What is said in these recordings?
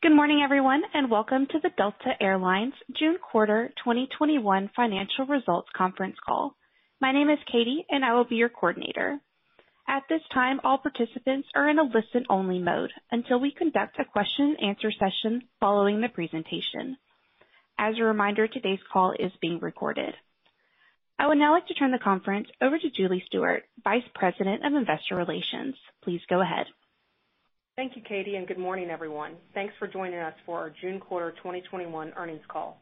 Good morning, everyone, and welcome to the Delta Air Lines June quarter 2021 financial results conference call. My name is Katie and I will be your coordinator. At this time, all participants are in a listen-only mode until we conduct a question-and-answer session following the presentation. As a reminder, today's call is being recorded. I would now like to turn the conference over to Julie Stewart, Vice President of Investor Relations. Please go ahead. Thank you, Katie. Good morning, everyone. Thanks for joining us for our June quarter 2021 earnings call.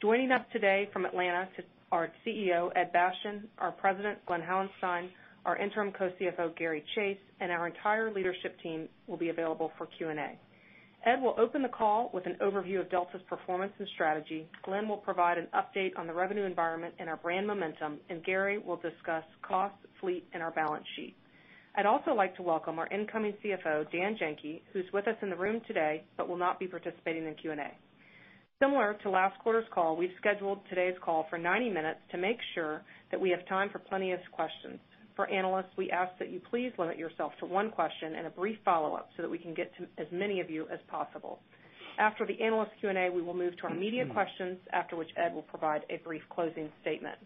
Joining us today from Atlanta is our CEO, Ed Bastian, our President, Glen Hauenstein, our interim co-CFO, Gary Chase, and our entire leadership team will be available for Q&A. Ed will open the call with an overview of Delta's performance and strategy. Glen will provide an update on the revenue environment and our brand momentum, and Gary will discuss cost, fleet, and our balance sheet. I'd also like to welcome our incoming CFO, Dan Janki, who's with us in the room today but will not be participating in Q&A. Similar to last quarter's call, we scheduled today's call for 90 minutes to make sure that we have time for plenty of questions. For analysts, we ask that you please limit yourself to one question and a brief follow-up so that we can get to as many of you as possible. After the analyst Q&A, we will move to our media questions, after which Ed will provide a brief closing statement.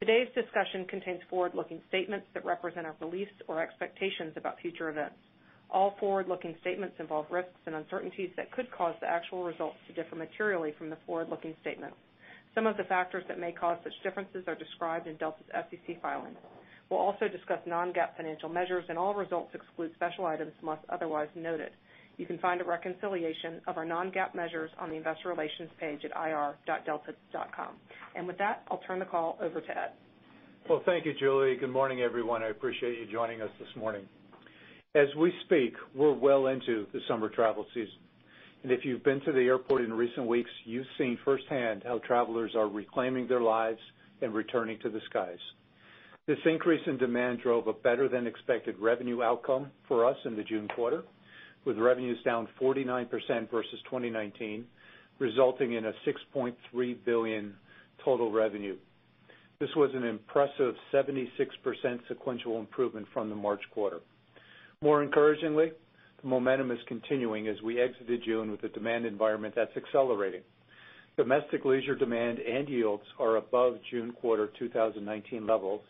Today's discussion contains forward-looking statements that represent our beliefs or expectations about future events. All forward-looking statements involve risks and uncertainties that could cause the actual results to differ materially from the forward-looking statements. Some of the factors that may cause such differences are described in Delta's SEC filings. We'll also discuss non-GAAP financial measures, and all results exclude special items unless otherwise noted. You can find a reconciliation of our non-GAAP measures on the investor relations page at ir.delta.com. With that, I'll turn the call over to Ed. Well, thank you, Julie. Good morning, everyone. I appreciate you joining us this morning. As we speak, we're well into the summer travel season. If you've been to the airport in recent weeks, you've seen firsthand how travelers are reclaiming their lives and returning to the skies. This increase in demand drove a better-than-expected revenue outcome for us in the June quarter, with revenues down 49% versus 2019, resulting in a $6.3 billion total revenue. This was an impressive 76% sequential improvement from the March quarter. More encouragingly, the momentum is continuing as we exited June with a demand environment that's accelerating. Domestic leisure demand and yields are above June quarter 2019 levels,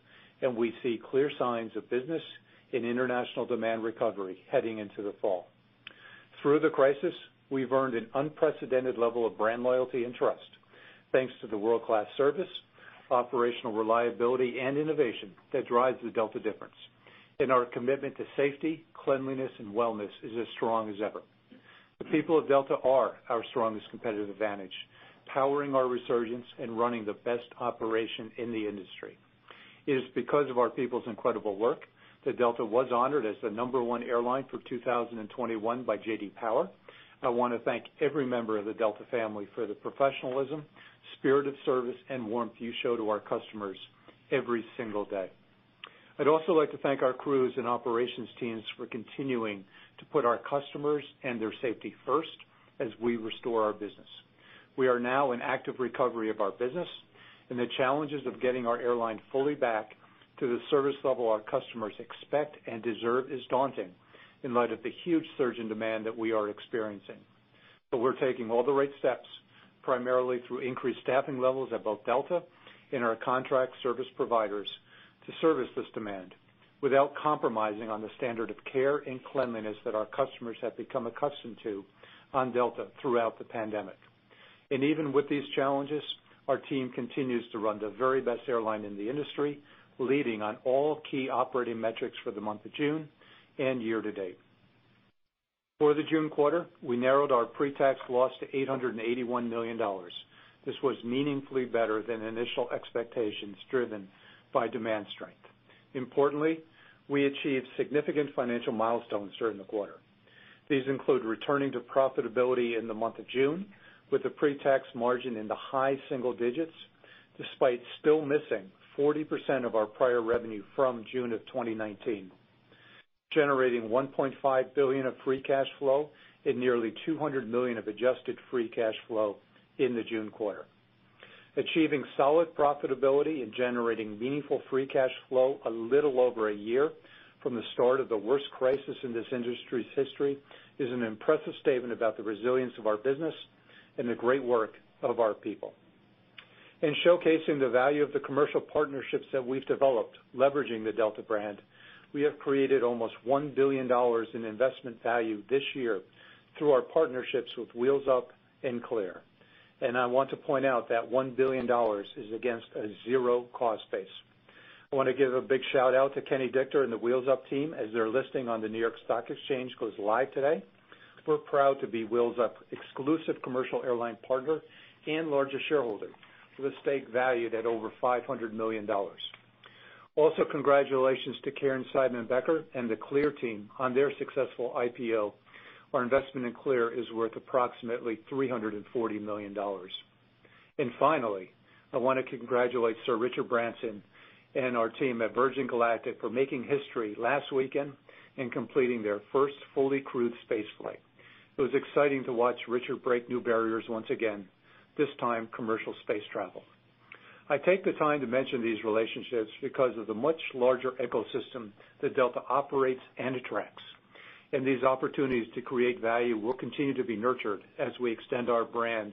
and we see clear signs of business and international demand recovery heading into the fall. Through the crisis, we've earned an unprecedented level of brand loyalty and trust, thanks to the world-class service, operational reliability, and innovation that drives the Delta difference. Our commitment to safety, cleanliness, and wellness is as strong as ever. The people of Delta are our strongest competitive advantage, powering our resurgence and running the best operation in the industry. It is because of our people's incredible work that Delta was honored as the number one airline for 2021 by J.D. Power. I want to thank every member of the Delta family for the professionalism, spirit of service, and warmth you show to our customers every single day. I'd also like to thank our crews and operations teams for continuing to put our customers and their safety first as we restore our business. We are now in active recovery of our business. The challenges of getting our airline fully back to the service level our customers expect and deserve is daunting in light of the huge surge in demand that we are experiencing. We're taking all the right steps, primarily through increased staffing levels at both Delta and our contract service providers to service this demand without compromising on the standard of care and cleanliness that our customers have become accustomed to on Delta throughout the pandemic. Even with these challenges, our team continues to run the very best airline in the industry, leading on all key operating metrics for the month of June and year to date. For the June quarter, we narrowed our pre-tax loss to $881 million. This was meaningfully better than initial expectations driven by demand strength. Importantly, we achieved significant financial milestones during the quarter. These include returning to profitability in the month of June with a pre-tax margin in the high single digits, despite still missing 40% of our prior revenue from June of 2019, generating $1.5 billion of free cash flow and nearly $200 million of adjusted free cash flow in the June quarter. Achieving solid profitability and generating meaningful free cash flow a little over a year from the start of the worst crisis in this industry's history is an impressive statement about the resilience of our business and the great work of our people. Showcasing the value of the commercial partnerships that we've developed leveraging the Delta brand, we have created almost $1 billion in investment value this year through our partnerships with Wheels Up and CLEAR. I want to point out that $1 billion is against a zero cost base. I want to give a big shout-out to Kenny Dichter and the Wheels Up team as their listing on the New York Stock Exchange goes live today. We're proud to be Wheels Up exclusive commercial airline partner and largest shareholder with a stake valued at over $500 million. Congratulations to Caryn Seidman-Becker and the CLEAR team on their successful IPO. Our investment in CLEAR is worth approximately $340 million. Finally, I want to congratulate Richard Branson and our team at Virgin Galactic for making history last weekend in completing their first fully crewed space flight. It was exciting to watch Richard break new barriers once again, this time commercial space travel. I take the time to mention these relationships because of the much larger ecosystem that Delta operates and attracts, and these opportunities to create value will continue to be nurtured as we extend our brand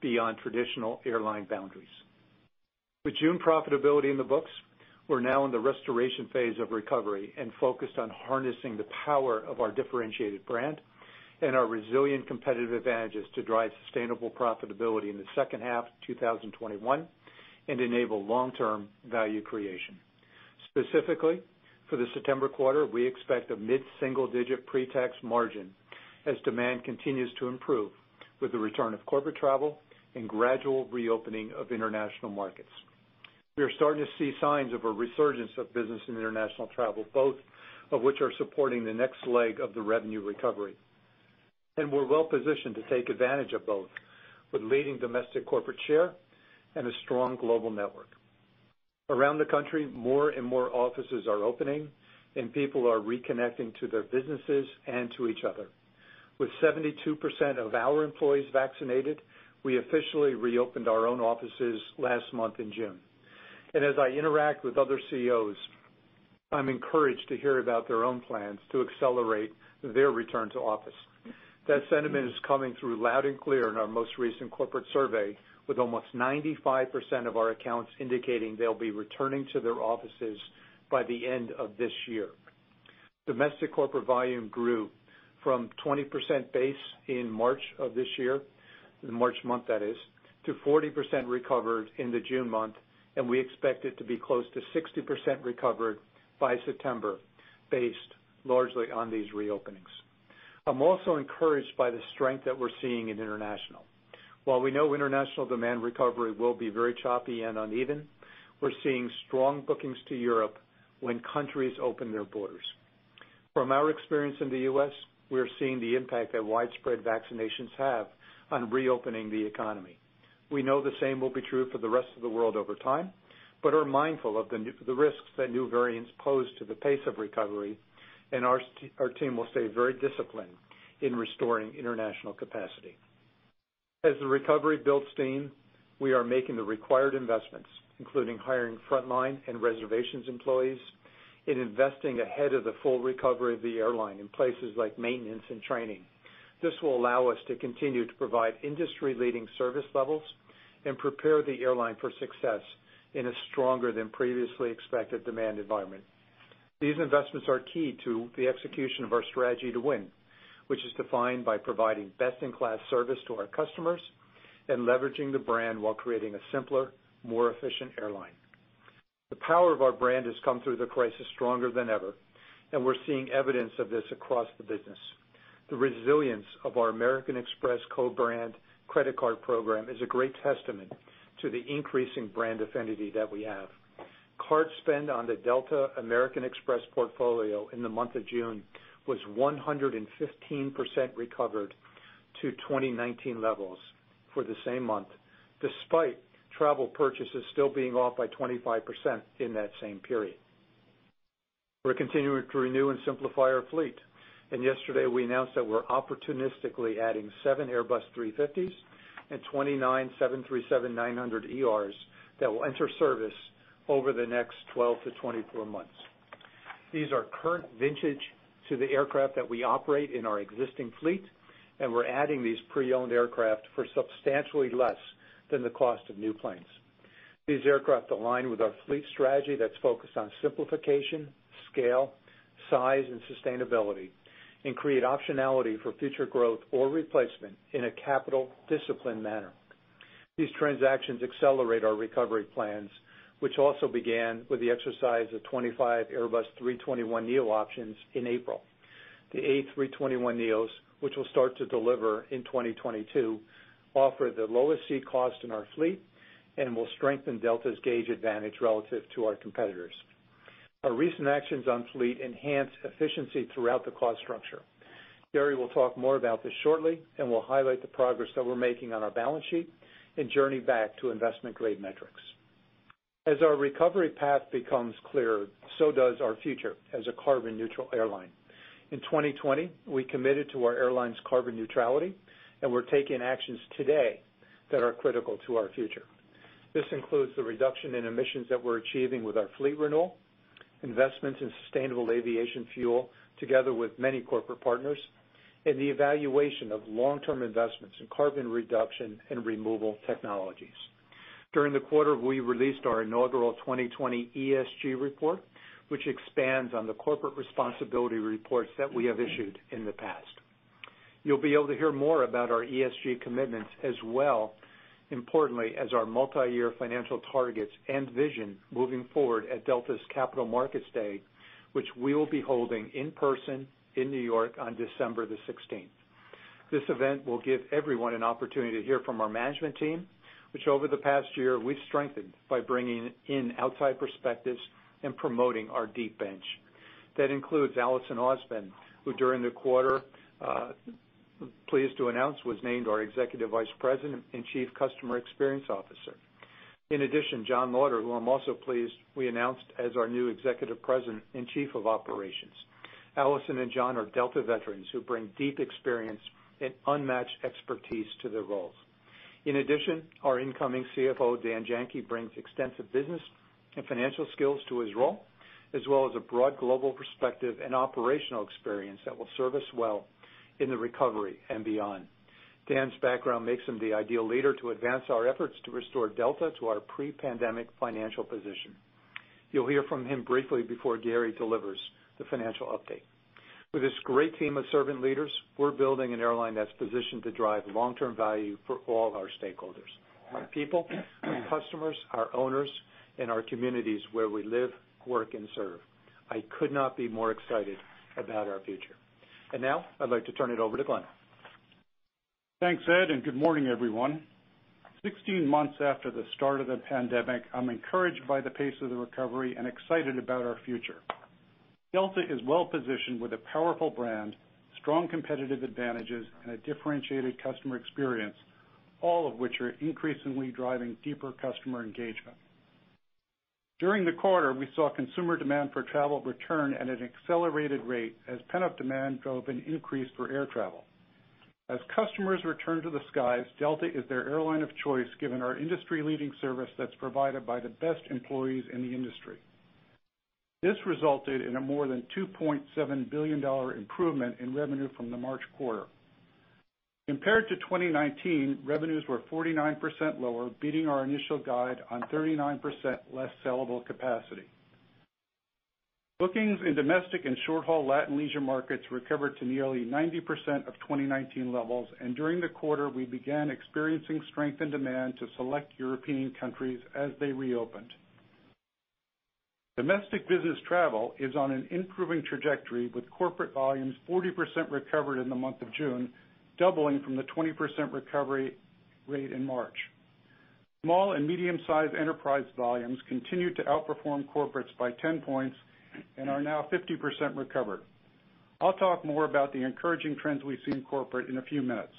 beyond traditional airline boundaries. With June profitability in the books, we're now in the restoration phase of recovery and focused on harnessing the power of our differentiated brand and our resilient competitive advantages to drive sustainable profitability in the second half of 2021 and enable long-term value creation. Specifically, for the September quarter, we expect a mid-single-digit pre-tax margin as demand continues to improve with the return of corporate travel and gradual reopening of international markets. We are starting to see signs of a resurgence of business and international travel, both of which are supporting the next leg of the revenue recovery. We're well-positioned to take advantage of both with leading domestic corporate share and a strong global network. Around the country, more and more offices are opening, and people are reconnecting to their businesses and to each other. With 72% of our employees vaccinated, we officially reopened our own offices last month in June. As I interact with other CEOs, I'm encouraged to hear about their own plans to accelerate their return to office. That sentiment is coming through loud and clear in our most recent corporate survey, with almost 95% of our accounts indicating they'll be returning to their offices by the end of this year. Domestic corporate volume grew from 20% base in March of this year, in March month that is, to 40% recovered in the June month. We expect it to be close to 60% recovered by September based largely on these reopenings. I'm also encouraged by the strength that we're seeing in international. While we know international demand recovery will be very choppy and uneven, we're seeing strong bookings to Europe when countries open their borders. From our experience in the U.S., we're seeing the impact that widespread vaccinations have on reopening the economy. We know the same will be true for the rest of the world over time, but are mindful of the risks that new variants pose to the pace of recovery, and our team will stay very disciplined in restoring international capacity. As the recovery builds steam, we are making the required investments, including hiring frontline and reservations employees and investing ahead of the full recovery of the airline in places like maintenance and training. This will allow us to continue to provide industry-leading service levels and prepare the airline for success in a stronger than previously expected demand environment. These investments are key to the execution of our strategy to win, which is defined by providing best-in-class service to our customers and leveraging the brand while creating a simpler, more efficient airline. The power of our brand has come through the crisis stronger than ever, and we're seeing evidence of this across the business. The resilience of our American Express co-brand credit card program is a great testament to the increasing brand affinity that we have. Card spend on the Delta American Express portfolio in the month of June was 115% recovered to 2019 levels for the same month, despite travel purchases still being off by 25% in that same period. We're continuing to renew and simplify our fleet, and yesterday we announced that we're opportunistically adding seven Airbus A350s and 29 737-900ERs that will enter service over the next 12-24 months. These are current vintage to the aircraft that we operate in our existing fleet, and we're adding these pre-owned aircraft for substantially less than the cost of new planes. These aircraft align with our fleet strategy that's focused on simplification, scale, size, and sustainability and create optionality for future growth or replacement in a capital disciplined manner. These transactions accelerate our recovery plans, which also began with the exercise of 25 Airbus A321neo options in April. The A321neos, which will start to deliver in 2022, offer the lowest seat cost in our fleet and will strengthen Delta's gauge advantage relative to our competitors. Gary will talk more about this shortly, and we'll highlight the progress that we're making on our balance sheet and journey back to investment-grade metrics. As our recovery path becomes clearer, so does our future as a carbon-neutral airline. In 2020, we committed to our airline's carbon neutrality, and we're taking actions today that are critical to our future. This includes the reduction in emissions that we're achieving with our fleet renewal, investments in sustainable aviation fuel, together with many corporate partners, and the evaluation of long-term investments in carbon reduction and removal technologies. During the quarter, we released our inaugural 2020 ESG report, which expands on the corporate responsibility reports that we have issued in the past. You'll be able to hear more about our ESG commitments as well, importantly, as our multi-year financial targets and vision moving forward at Delta's Capital Markets Day, which we will be holding in person in New York on December 16th. This event will give everyone an opportunity to hear from our management team, which over the past year we've strengthened by bringing in outside perspectives and promoting our deep bench. That includes Allison Ausband, who during the quarter, pleased to announce, was named our Executive Vice President and Chief Customer Experience Officer. John Laughter, who I'm also pleased we announced as our new Executive President and Chief of Operations. Allison and John are Delta veterans who bring deep experience and unmatched expertise to their roles. Our incoming CFO, Dan Janki, brings extensive business and financial skills to his role, as well as a broad global perspective and operational experience that will serve us well in the recovery and beyond. Dan's background makes him the ideal leader to advance our efforts to restore Delta to our pre-pandemic financial position. You'll hear from him briefly before Gary delivers the financial update. With this great team of servant leaders, we're building an airline that's positioned to drive long-term value for all our stakeholders, our people, our customers, our owners, and our communities where we live, work, and serve. I could not be more excited about our future. Now I'd like to turn it over to Glen. Thanks, Ed. Good morning, everyone. 16 months after the start of the pandemic, I'm encouraged by the pace of the recovery and excited about our future. Delta is well-positioned with a powerful brand, strong competitive advantages, and a differentiated customer experience, all of which are increasingly driving deeper customer engagement. During the quarter, we saw consumer demand for travel return at an accelerated rate as pent-up demand drove an increase for air travel. As customers return to the skies, Delta is their airline of choice given our industry-leading service that's provided by the best employees in the industry. This resulted in a more than $2.7 billion improvement in revenue from the March quarter. Compared to 2019, revenues were 49% lower, beating our initial guide on 39% less sellable capacity. Bookings in domestic and short-haul Latin leisure markets recovered to nearly 90% of 2019 levels, and during the quarter, we began experiencing strength in demand to select European countries as they reopened. Domestic business travel is on an improving trajectory, with corporate volumes 40% recovered in the month of June, doubling from the 20% recovery rate in March. Small and medium-sized enterprise volumes continue to outperform corporates by 10 points and are now 50% recovered. I'll talk more about the encouraging trends we see in corporate in a few minutes.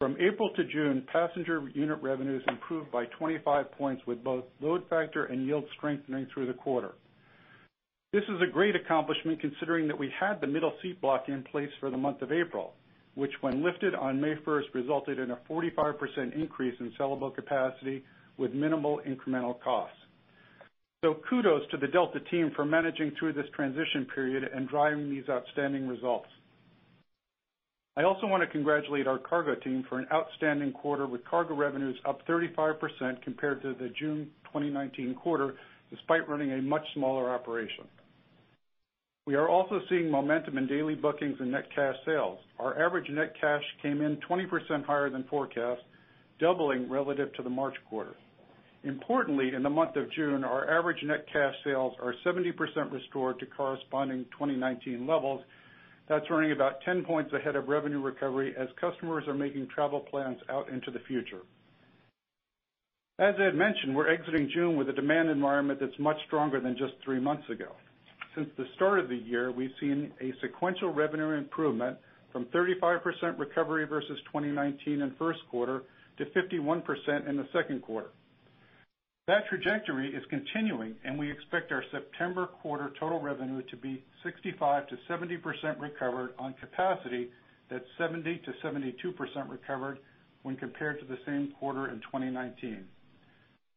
From April to June, passenger unit revenues improved by 25 points, with both load factor and yield strengthening through the quarter. This is a great accomplishment considering that we had the middle seat block in place for the month of April, which when lifted on May 1st, resulted in a 45% increase in sellable capacity with minimal incremental cost. Kudos to the Delta team for managing through this transition period and driving these outstanding results. I also want to congratulate our cargo team for an outstanding quarter with cargo revenues up 35% compared to the June 2019 quarter, despite running a much smaller operation. We are also seeing momentum in daily bookings and net cash sales. Our average net cash came in 20% higher than forecast, doubling relative to the March quarter. Importantly, in the month of June, our average net cash sales are 70% restored to corresponding 2019 levels. That's running about 10 points ahead of revenue recovery as customers are making travel plans out into the future. As Ed mentioned, we're exiting June with a demand environment that's much stronger than just three months ago. Since the start of the year, we've seen a sequential revenue improvement from 35% recovery versus 2019 in first quarter to 51% in the second quarter. That trajectory is continuing, and we expect our September quarter total revenue to be 65%-70% recovered on capacity that's 70%-72% recovered when compared to the same quarter in 2019.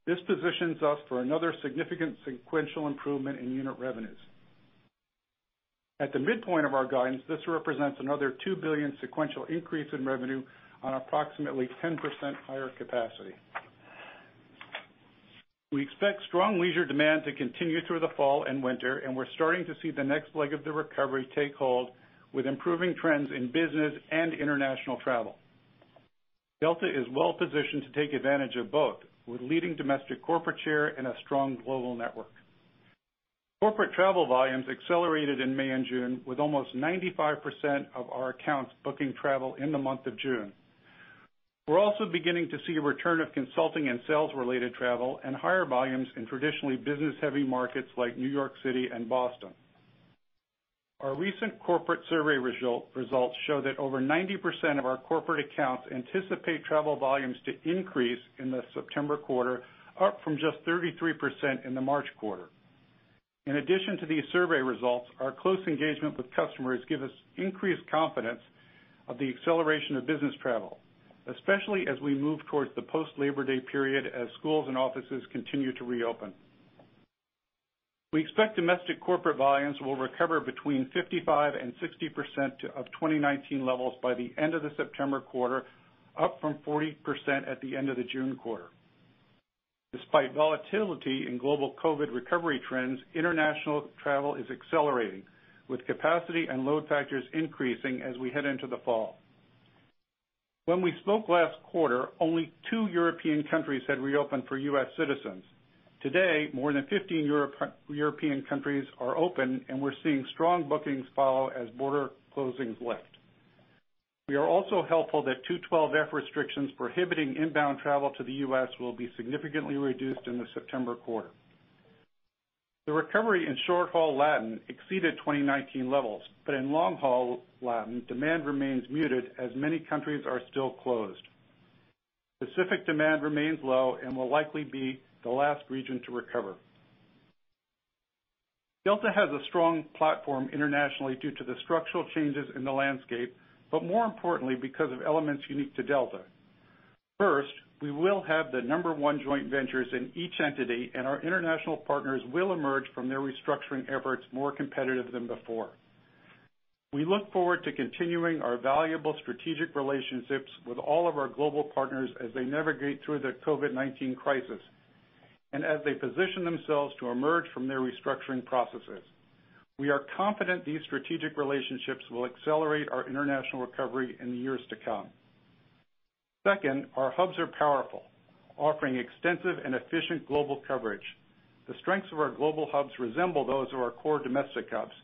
This positions us for another significant sequential improvement in unit revenues. At the midpoint of our guidance, this represents another $2 billion sequential increase in revenue on approximately 10% higher capacity. We expect strong leisure demand to continue through the fall and winter, and we're starting to see the next leg of the recovery take hold with improving trends in business and international travel. Delta is well-positioned to take advantage of both with leading domestic corporate share and a strong global network. Corporate travel volumes accelerated in May and June with almost 95% of our accounts booking travel in the month of June. We're also beginning to see a return of consulting and sales-related travel and higher volumes in traditionally business-heavy markets like New York City and Boston. Our recent corporate survey results show that over 90% of our corporate accounts anticipate travel volumes to increase in the September quarter, up from just 33% in the March quarter. In addition to these survey results, our close engagement with customers gives us increased confidence of the acceleration of business travel, especially as we move towards the post-Labor Day period as schools and offices continue to reopen. We expect domestic corporate volumes will recover between 55% and 60% of 2019 levels by the end of the September quarter, up from 40% at the end of the June quarter. Despite volatility in global COVID-19 recovery trends, international travel is accelerating, with capacity and load factors increasing as we head into the fall. When we spoke last quarter, only two European countries had reopened for U.S. citizens. Today, more than 15 European countries are open and we're seeing strong bookings follow as border closings lift. We are also hopeful that 212(f) restrictions prohibiting inbound travel to the U.S. will be significantly reduced in the September quarter. The recovery in short-haul Latin exceeded 2019 levels, but in long-haul Latin, demand remains muted as many countries are still closed. Pacific demand remains low and will likely be the last region to recover. Delta has a strong platform internationally due to the structural changes in the landscape, but more importantly, because of elements unique to Delta. We will have the number one joint ventures in each entity, and our international partners will emerge from their restructuring efforts more competitive than before. We look forward to continuing our valuable strategic relationships with all of our global partners as they navigate through the COVID-19 crisis and as they position themselves to emerge from their restructuring processes. We are confident these strategic relationships will accelerate our international recovery in the years to come. Our hubs are powerful, offering extensive and efficient global coverage. The strengths of our global hubs resemble those of our core domestic hubs,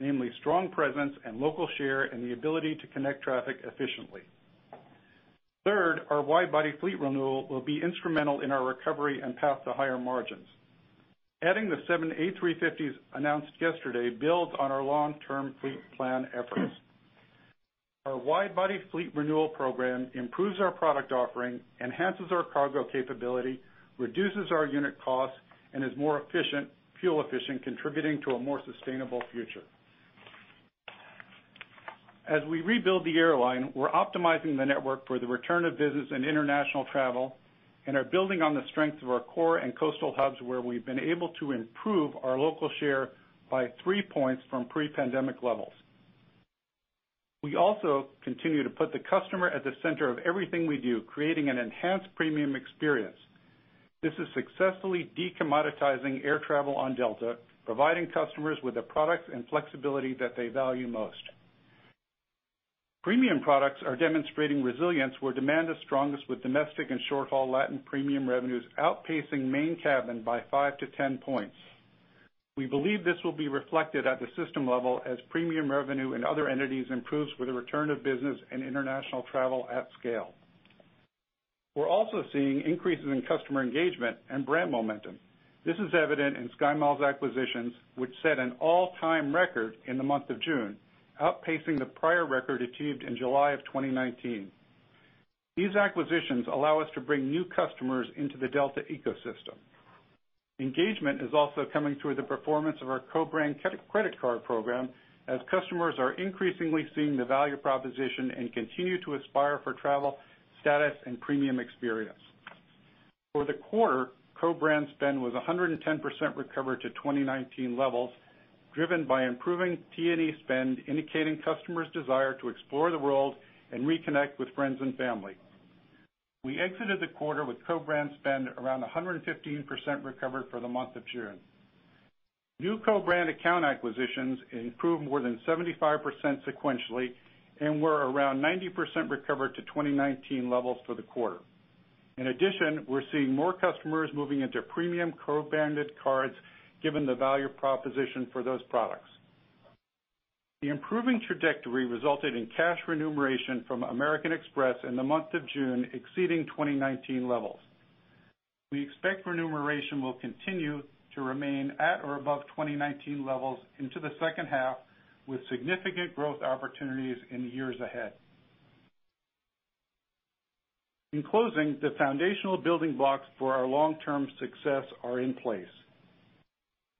namely strong presence and local share and the ability to connect traffic efficiently. Our wide-body fleet renewal will be instrumental in our recovery and path to higher margins. Adding the seven A350s announced yesterday builds on our long-term fleet plan efforts. Our wide-body fleet renewal program improves our product offering, enhances our cargo capability, reduces our unit cost, and is more efficient, fuel efficient, contributing to a more sustainable future. As we rebuild the airline, we're optimizing the network for the return of business and international travel and are building on the strength of our core and coastal hubs, where we've been able to improve our local share by three points from pre-pandemic levels. We also continue to put the customer at the center of everything we do, creating an enhanced premium experience. This is successfully de-commoditizing air travel on Delta, providing customers with the products and flexibility that they value most. Premium products are demonstrating resilience where demand is strongest with domestic and short-haul Latin premium revenues outpacing main cabin by 5-10 points. We believe this will be reflected at the system level as premium revenue in other entities improves with a return of business and international travel at scale. We're also seeing increases in customer engagement and brand momentum. This is evident in SkyMiles acquisitions, which set an all-time record in the month of June, outpacing the prior record achieved in July of 2019. These acquisitions allow us to bring new customers into the Delta ecosystem. Engagement is also coming through the performance of our co-brand credit card program, as customers are increasingly seeing the value proposition and continue to aspire for travel, status, and premium experience. For the quarter, co-brand spend was 110% recovered to 2019 levels, driven by improving T&E spend, indicating customers' desire to explore the world and reconnect with friends and family. We exited the quarter with co-brand spend around 115% recovered for the month of June. New co-brand account acquisitions improved more than 75% sequentially and were around 90% recovered to 2019 levels for the quarter. In addition, we're seeing more customers moving into premium co-branded cards, given the value proposition for those products. The improving trajectory resulted in cash remuneration from American Express in the month of June exceeding 2019 levels. We expect remuneration will continue to remain at or above 2019 levels into the second half, with significant growth opportunities in years ahead. In closing, the foundational building blocks for our long-term success are in place.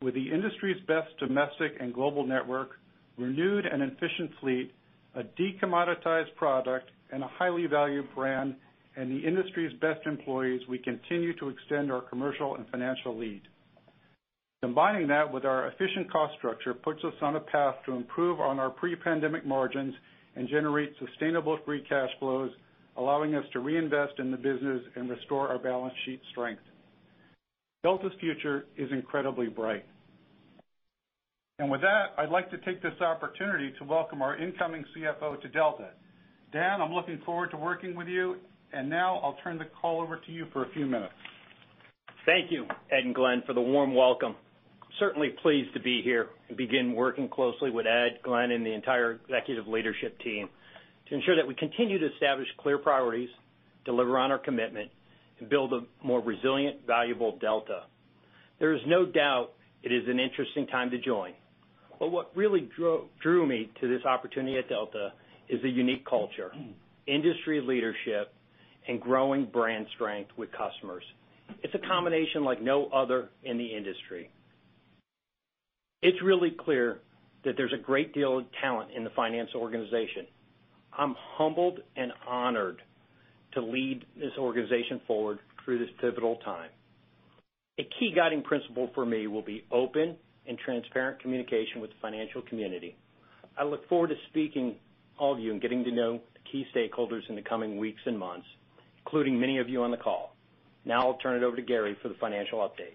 With the industry's best domestic and global network, renewed and efficient fleet, a de-commoditized product, and a highly valued brand, and the industry's best employees, we continue to extend our commercial and financial lead. Combining that with our efficient cost structure puts us on a path to improve on our pre-pandemic margins and generate sustainable free cash flows, allowing us to reinvest in the business and restore our balance sheet strength. Delta's future is incredibly bright. With that, I'd like to take this opportunity to welcome our incoming CFO to Delta. Dan, I'm looking forward to working with you, and now I'll turn the call over to you for a few minutes. Thank you, Ed and Glen, for the warm welcome. Certainly pleased to be here and begin working closely with Ed, Glen, and the entire executive leadership team to ensure that we continue to establish clear priorities, deliver on our commitment, and build a more resilient, valuable Delta. There is no doubt it is an interesting time to join. What really drew me to this opportunity at Delta is the unique culture, industry leadership, and growing brand strength with customers. It's a combination like no other in the industry. It's really clear that there's a great deal of talent in the finance organization. I'm humbled and honored to lead this organization forward through this pivotal time. A key guiding principle for me will be open and transparent communication with the financial community. I look forward to speaking with all of you and getting to know the key stakeholders in the coming weeks and months, including many of you on the call. I'll turn it over to Gary for the financial update.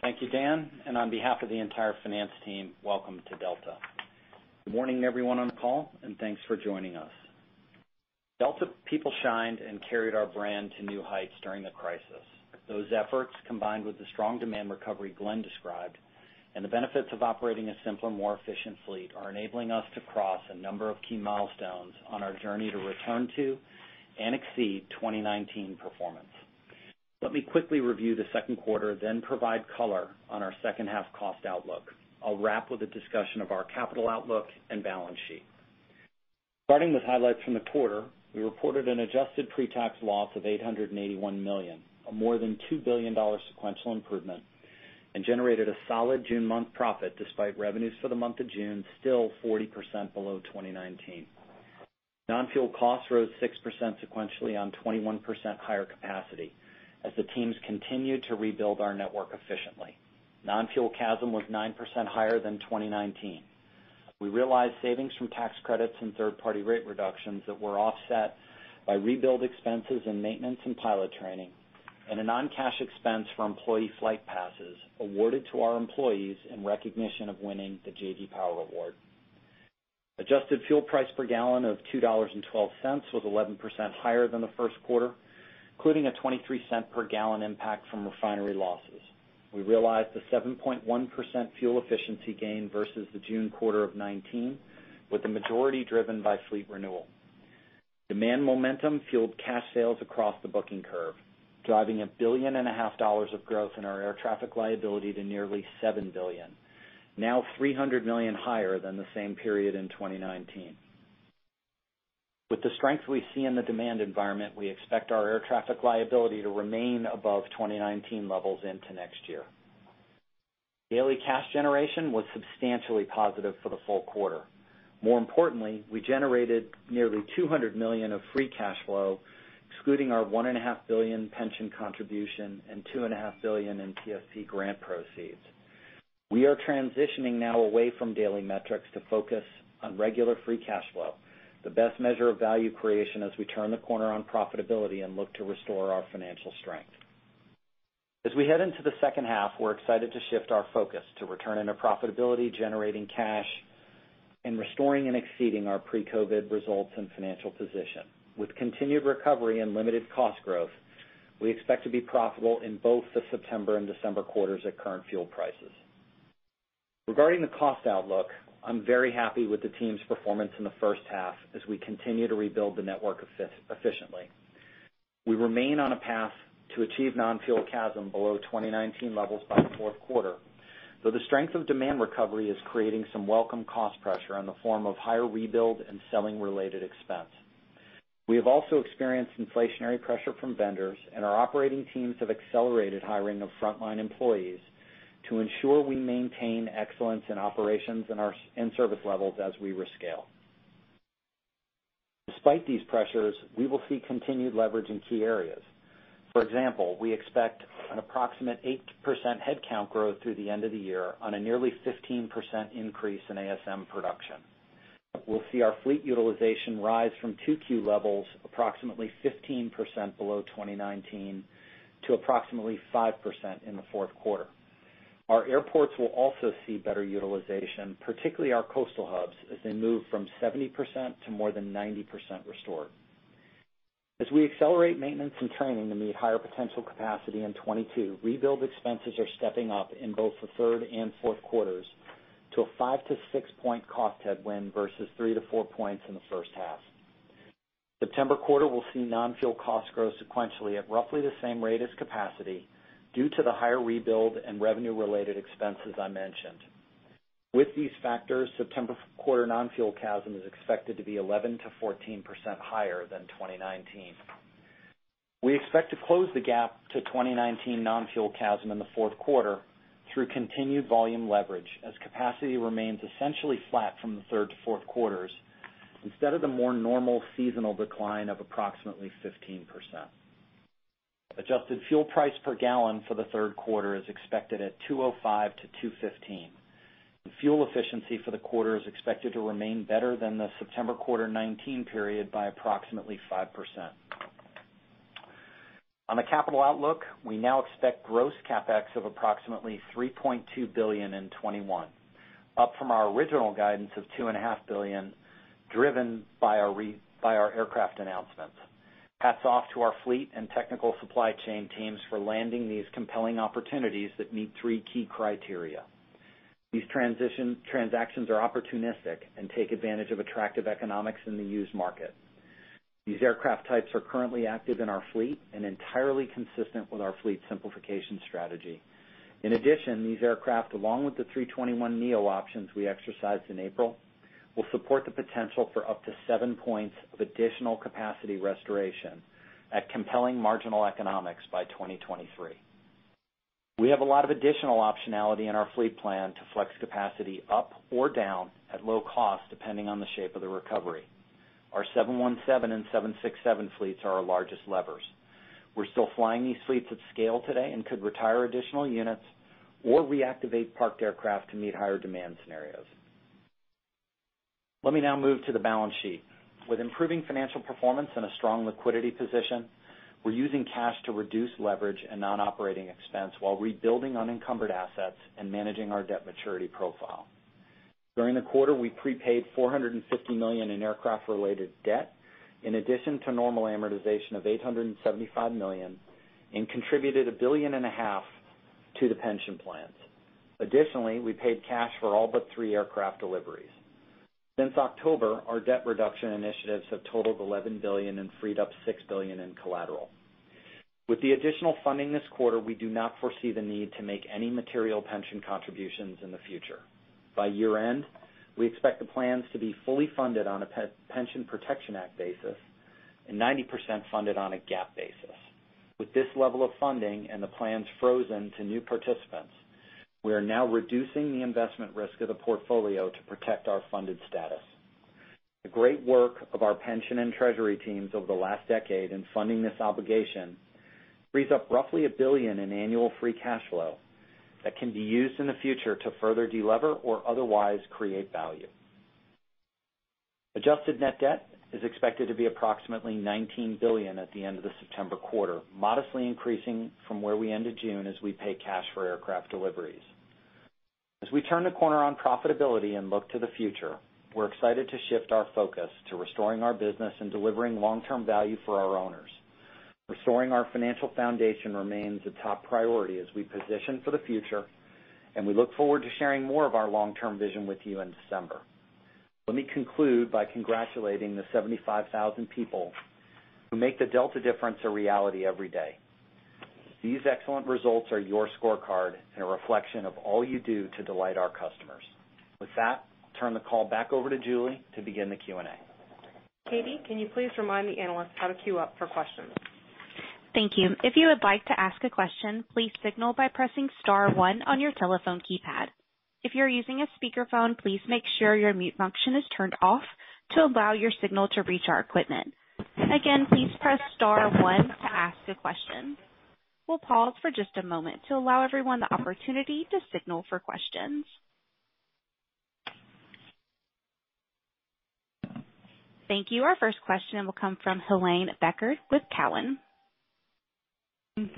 Thank you, Dan, and on behalf of the entire finance team, welcome to Delta. Good morning, everyone on the call, and thanks for joining us. Delta people shined and carried our brand to new heights during the crisis. Those efforts, combined with the strong demand recovery Glen described, and the benefits of operating a simpler, more efficient fleet, are enabling us to cross a number of key milestones on our journey to return to and exceed 2019 performance. Let me quickly review the second quarter, then provide color on our second half cost outlook. I'll wrap with a discussion of our capital outlook and balance sheet. Starting with highlights from the quarter, we reported an adjusted pre-tax loss of $881 million, a more than $2 billion sequential improvement, and generated a solid June month profit despite revenues for the month of June still 40% below 2019. Non-fuel costs rose 6% sequentially on 21% higher capacity as the teams continued to rebuild our network efficiently. Non-fuel CASM was 9% higher than 2019. We realized savings from tax credits and third-party rate reductions that were offset by rebuild expenses and maintenance and pilot training, and a non-cash expense for employee flight passes awarded to our employees in recognition of winning the J.D. Power Award. Adjusted fuel price per gallon of $2.12 was 11% higher than the first quarter, including a $0.23 per gallon impact from refinery losses. We realized a 7.1% fuel efficiency gain versus the June quarter of 2019, with the majority driven by fleet renewal. Demand momentum fueled cash sales across the booking curve, driving a $1.5 billion of growth in our air traffic liability to nearly $7 billion, now $300 million higher than the same period in 2019. With the strength we see in the demand environment, we expect our air traffic liability to remain above 2019 levels into next year. Daily cash generation was substantially positive for the full quarter. More importantly, we generated nearly $200 million of free cash flow, excluding our $1.5 billion pension contribution and $2.5 billion in PSP grant proceeds. We are transitioning now away from daily metrics to focus on regular free cash flow, the best measure of value creation as we turn the corner on profitability and look to restore our financial strength. As we head into the second half, we're excited to shift our focus to return into profitability, generating cash, and restoring and exceeding our pre-COVID results and financial position. With continued recovery and limited cost growth, we expect to be profitable in both the September and December quarters at current fuel prices. Regarding the cost outlook, I'm very happy with the team's performance in the first half as we continue to rebuild the network efficiently. We remain on a path to achieve non-fuel CASM below 2019 levels by the fourth quarter, though the strength of demand recovery is creating some welcome cost pressure in the form of higher rebuild and selling-related expense. We have also experienced inflationary pressure from vendors, and our operating teams have accelerated hiring of frontline employees to ensure we maintain excellence in operations and service levels as we rescale. Despite these pressures, we will see continued leverage in key areas. For example, we expect an approximate 8% headcount growth through the end of the year on a nearly 15% increase in ASM production. We'll see our fleet utilization rise from 2Q levels approximately 15% below 2019 to approximately 5% in the fourth quarter. Our airports will also see better utilization, particularly our coastal hubs, as they move from 70% to more than 90% restored. As we accelerate maintenance and training to meet higher potential capacity in 2022, rebuild expenses are stepping up in both the third and fourth quarters to a 5- to 6-point cost headwind versus 3-4 points in the first half. September quarter will see non-fuel cost growth sequentially at roughly the same rate as capacity due to the higher rebuild and revenue-related expenses I mentioned. With these factors, September quarter non-fuel CASM is expected to be 11%-14% higher than 2019. We expect to close the gap to 2019 non-fuel CASM in the fourth quarter through continued volume leverage as capacity remains essentially flat from the third to fourth quarters instead of the more normal seasonal decline of approximately 15%. Adjusted fuel price per gallon for the third quarter is expected at $2.05-$2.15. The fuel efficiency for the quarter is expected to remain better than the September quarter 2019 period by approximately 5%. On the capital outlook, we now expect gross CapEx of approximately $3.2 billion in 2021, up from our original guidance of $2.5 billion, driven by our aircraft announcements. Hats off to our fleet and technical supply chain teams for landing these compelling opportunities that meet three key criteria. These transactions are opportunistic and take advantage of attractive economics in the used market. These aircraft types are currently active in our fleet and entirely consistent with our fleet simplification strategy. In addition, these aircraft, along with the A321neo options we exercised in April, will support the potential for up to 7 points of additional capacity restoration at compelling marginal economics by 2023. We have a lot of additional optionality in our fleet plan to flex capacity up or down at low cost, depending on the shape of the recovery. Our 717 and 767 fleets are our largest levers. We're still flying these fleets at scale today and could retire additional units or reactivate parked aircraft to meet higher demand scenarios. Let me now move to the balance sheet. With improving financial performance and a strong liquidity position, we're using cash to reduce leverage and non-operating expense while rebuilding unencumbered assets and managing our debt maturity profile. During the quarter, we prepaid $450 million in aircraft-related debt, in addition to normal amortization of $875 million and contributed a billion and a half to the pension plans. Additionally, we paid cash for all but three aircraft deliveries. Since October, our debt reduction initiatives have totaled $11 billion and freed up $6 billion in collateral. With the additional funding this quarter, we do not foresee the need to make any material pension contributions in the future. By year-end, we expect the plans to be fully funded on a Pension Protection Act basis and 90% funded on a GAAP basis. With this level of funding and the plans frozen to new participants, we are now reducing the investment risk of the portfolio to protect our funded status. The great work of our pension and treasury teams over the last decade in funding this obligation frees up roughly $1 billion in annual free cash flow that can be used in the future to further de-lever or otherwise create value. Adjusted net debt is expected to be approximately $19 billion at the end of the September quarter, modestly increasing from where we ended June as we pay cash for aircraft deliveries. As we turn the corner on profitability and look to the future, we're excited to shift our focus to restoring our business and delivering long-term value for our owners. Restoring our financial foundation remains a top priority as we position for the future, and we look forward to sharing more of our long-term vision with you in December. Let me conclude by congratulating the 75,000 people who make the Delta difference a reality every day. These excellent results are your scorecard and a reflection of all you do to delight our customers. With that, I'll turn the call back over to Julie to begin the Q&A. Katie, can you please remind the analysts how to queue up for questions? Thank you. If you would like to ask a question, please signal by pressing star one on your telephone keypad. If you're using a speakerphone, please make sure your mute function is turned off to allow your signal to reach our equipment. Please press star one to ask a question. We'll pause for just a moment to allow everyone the opportunity to signal for questions. Thank you. Our first question will come from Helane Becker with Cowen.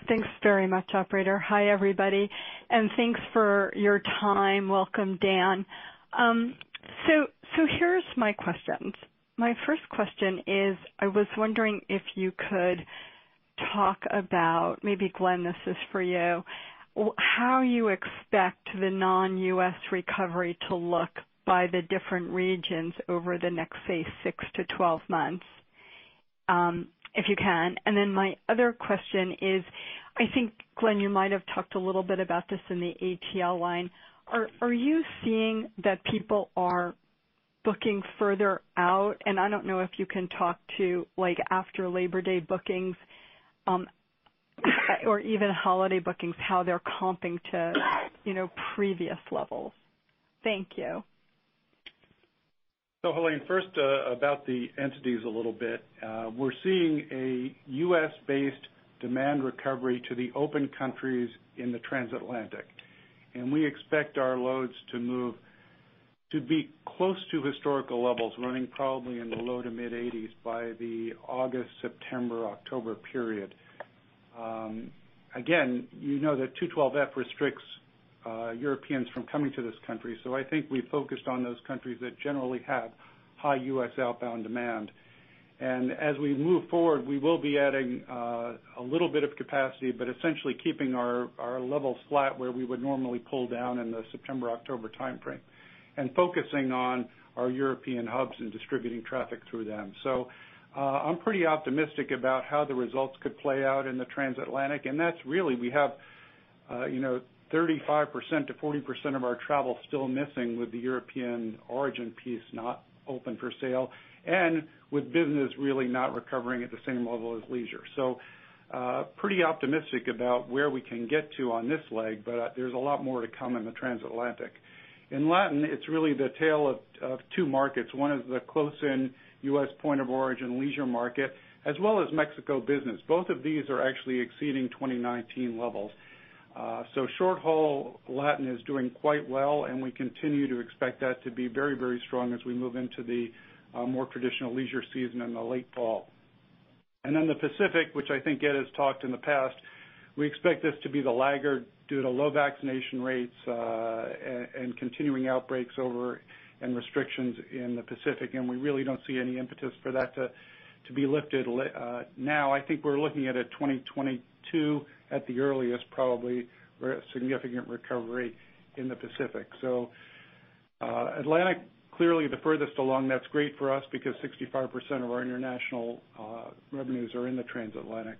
Thanks very much, operator. Hi, everybody, and thanks for your time. Welcome, Dan. Here's my questions. My first question is, I was wondering if you could talk about, maybe Glen, this is for you, how you expect the non-U.S. recovery to look by the different regions over the next, say, six to 12 months, if you can. My other question is, I think, Glen, you might have talked a little bit about this in the ATL line. Are you seeing that people are booking further out? I don't know if you can talk to after Labor Day bookings, or even holiday bookings, how they're comping to previous levels. Thank you. Helane, first, about the entities a little bit. We're seeing a U.S.-based demand recovery to the open countries in the transatlantic, and we expect our loads to move to be close to historical levels, running probably in the low to mid-80s by the August, September, October period. Again, you know that 212(f) restricts Europeans from coming to this country. I think we focused on those countries that generally have high U.S. outbound demand. As we move forward, we will be adding a little bit of capacity, but essentially keeping our levels flat where we would normally pull down in the September-October timeframe and focusing on our European hubs and distributing traffic through them. I'm pretty optimistic about how the results could play out in the transatlantic. That's really, we have 35%-40% of our travel still missing with the European origin piece not open for sale and with business really not recovering at the same level as leisure. Pretty optimistic about where we can get to on this leg, but there's a lot more to come in the transatlantic. In Latin, it's really the tale of two markets. One is the close-in U.S. point of origin leisure market, as well as Mexico business. Both of these are actually exceeding 2019 levels. Short-haul Latin is doing quite well, and we continue to expect that to be very strong as we move into the more traditional leisure season in the late fall. In the Pacific, which I think Ed has talked in the past, we expect this to be the laggard due to low vaccination rates, continuing outbreaks and restrictions in the Pacific, and we really don't see any impetus for that to be lifted now. I think we're looking at a 2022 at the earliest, probably, significant recovery in the Pacific. Atlantic, clearly the furthest along. That's great for us because 65% of our international revenues are in the transatlantic.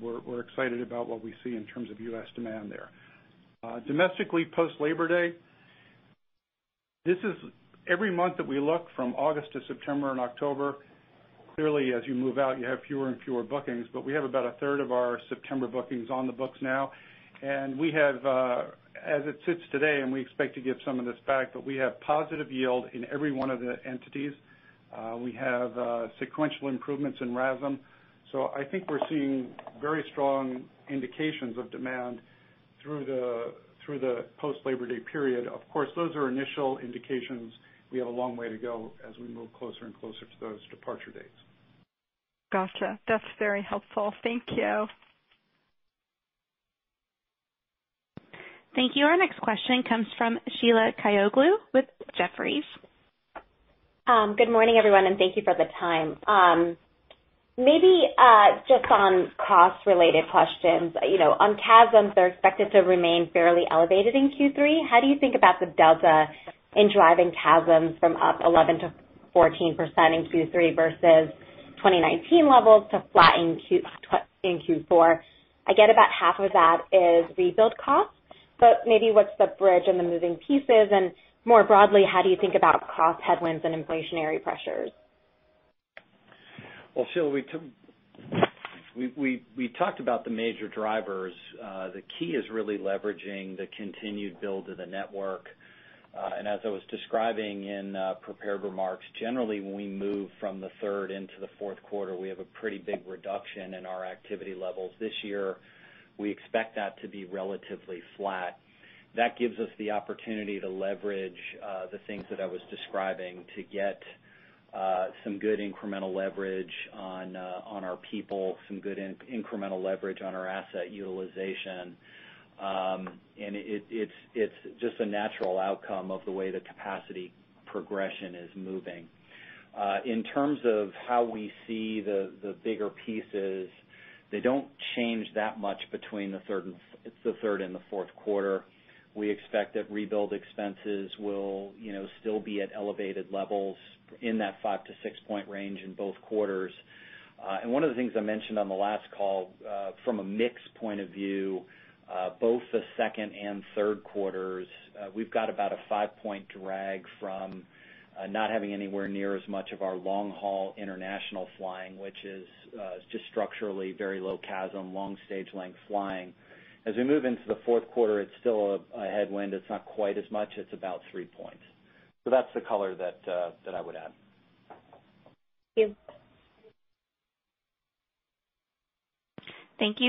We're excited about what we see in terms of U.S. demand there. Domestically, post-Labor Day, every month that we look from August to September and October, clearly as you move out, you have fewer and fewer bookings. We have about a third of our September bookings on the books now, and we have, as it sits today, and we expect to give some of this back, but we have positive yield in every one of the entities. We have sequential improvements in RASM. I think we're seeing very strong indications of demand through the post-Labor Day period. Of course, those are initial indications. We have a long way to go as we move closer and closer to those departure dates. Got you. That's very helpful. Thank you. Thank you. Our next question comes from Sheila Kahyaoglu with Jefferies. Good morning, everyone, and thank you for the time. Maybe just on cost-related questions. On CASM, they're expected to remain fairly elevated in Q3. How do you think about the delta in driving CASM from up 11%-14% in Q3 versus 2019 levels to flatten in Q4? I get about half of that is rebuild costs, maybe what's the bridge and the moving pieces? More broadly, how do you think about cost headwinds and inflationary pressures? Well, Sheila, we talked about the major drivers. The key is really leveraging the continued build of the network. As I was describing in prepared remarks, generally, when we move from the third into the fourth quarter, we have a pretty big reduction in our activity levels. This year, we expect that to be relatively flat. That gives us the opportunity to leverage the things that I was describing to get some good incremental leverage on our people, some good incremental leverage on our asset utilization. It's just a natural outcome of the way the capacity progression is moving. In terms of how we see the bigger pieces, they don't change that much between the third and the fourth quarter. We expect that rebuild expenses will still be at elevated levels in that 5- to 6-point range in both quarters. One of the things I mentioned on the last call, from a mix point of view, both the second and third quarters, we've got about a 5-point drag from not having anywhere near as much of our long-haul international flying, which is just structurally very low CASM, long stage length flying. As we move into the fourth quarter, it's still a headwind. It's not quite as much. It's about 3 points. That's the color that I would add. Thank you.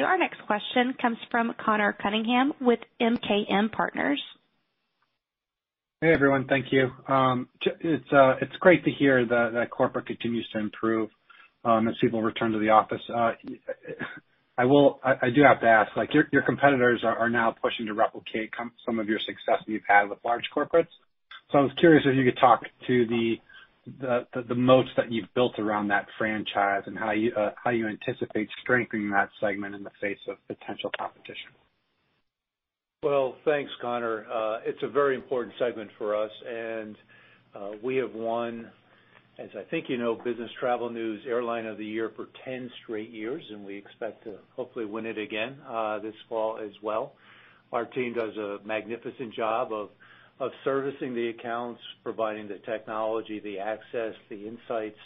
Our next question comes from Conor Cunningham with MKM Partners. Hey, everyone. Thank you. It's great to hear that corporate continues to improve as people return to the office. I do have to ask, your competitors are now pushing to replicate some of your success you've had with large corporates. I was curious if you could talk to the moats that you've built around that franchise and how you anticipate strengthening that segment in the face of potential competition. Well, thanks, Conor. It's a very important segment for us, and we have won, as I think you know, Business Travel News Airline of the Year for 10 straight years, and we expect to hopefully win it again this fall as well. Our team does a magnificent job of servicing the accounts, providing the technology, the access, the insights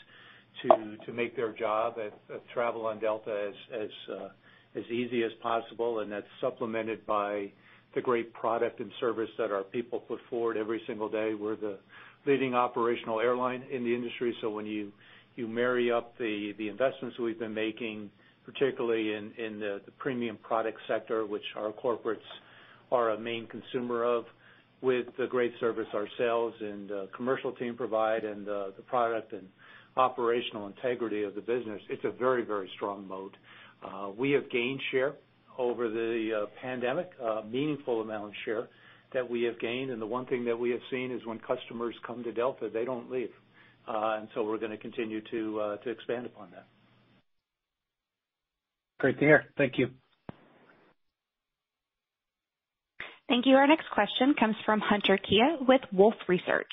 to make their job at travel on Delta as easy as possible, and that's supplemented by the great product and service that our people put forward every single day. We're the leading operational airline in the industry. When you marry up the investments we've been making, particularly in the premium product sector, which our corporates are a main consumer of, with the great service ourselves and the commercial team provide and the product and operational integrity of the business, it's a very, very strong moat. We have gained share over the pandemic, a meaningful amount of share that we have gained. The one thing that we have seen is when customers come to Delta, they don't leave. We're going to continue to expand upon that. Great to hear. Thank you. Thank you. Our next question comes from Hunter Keay with Wolfe Research.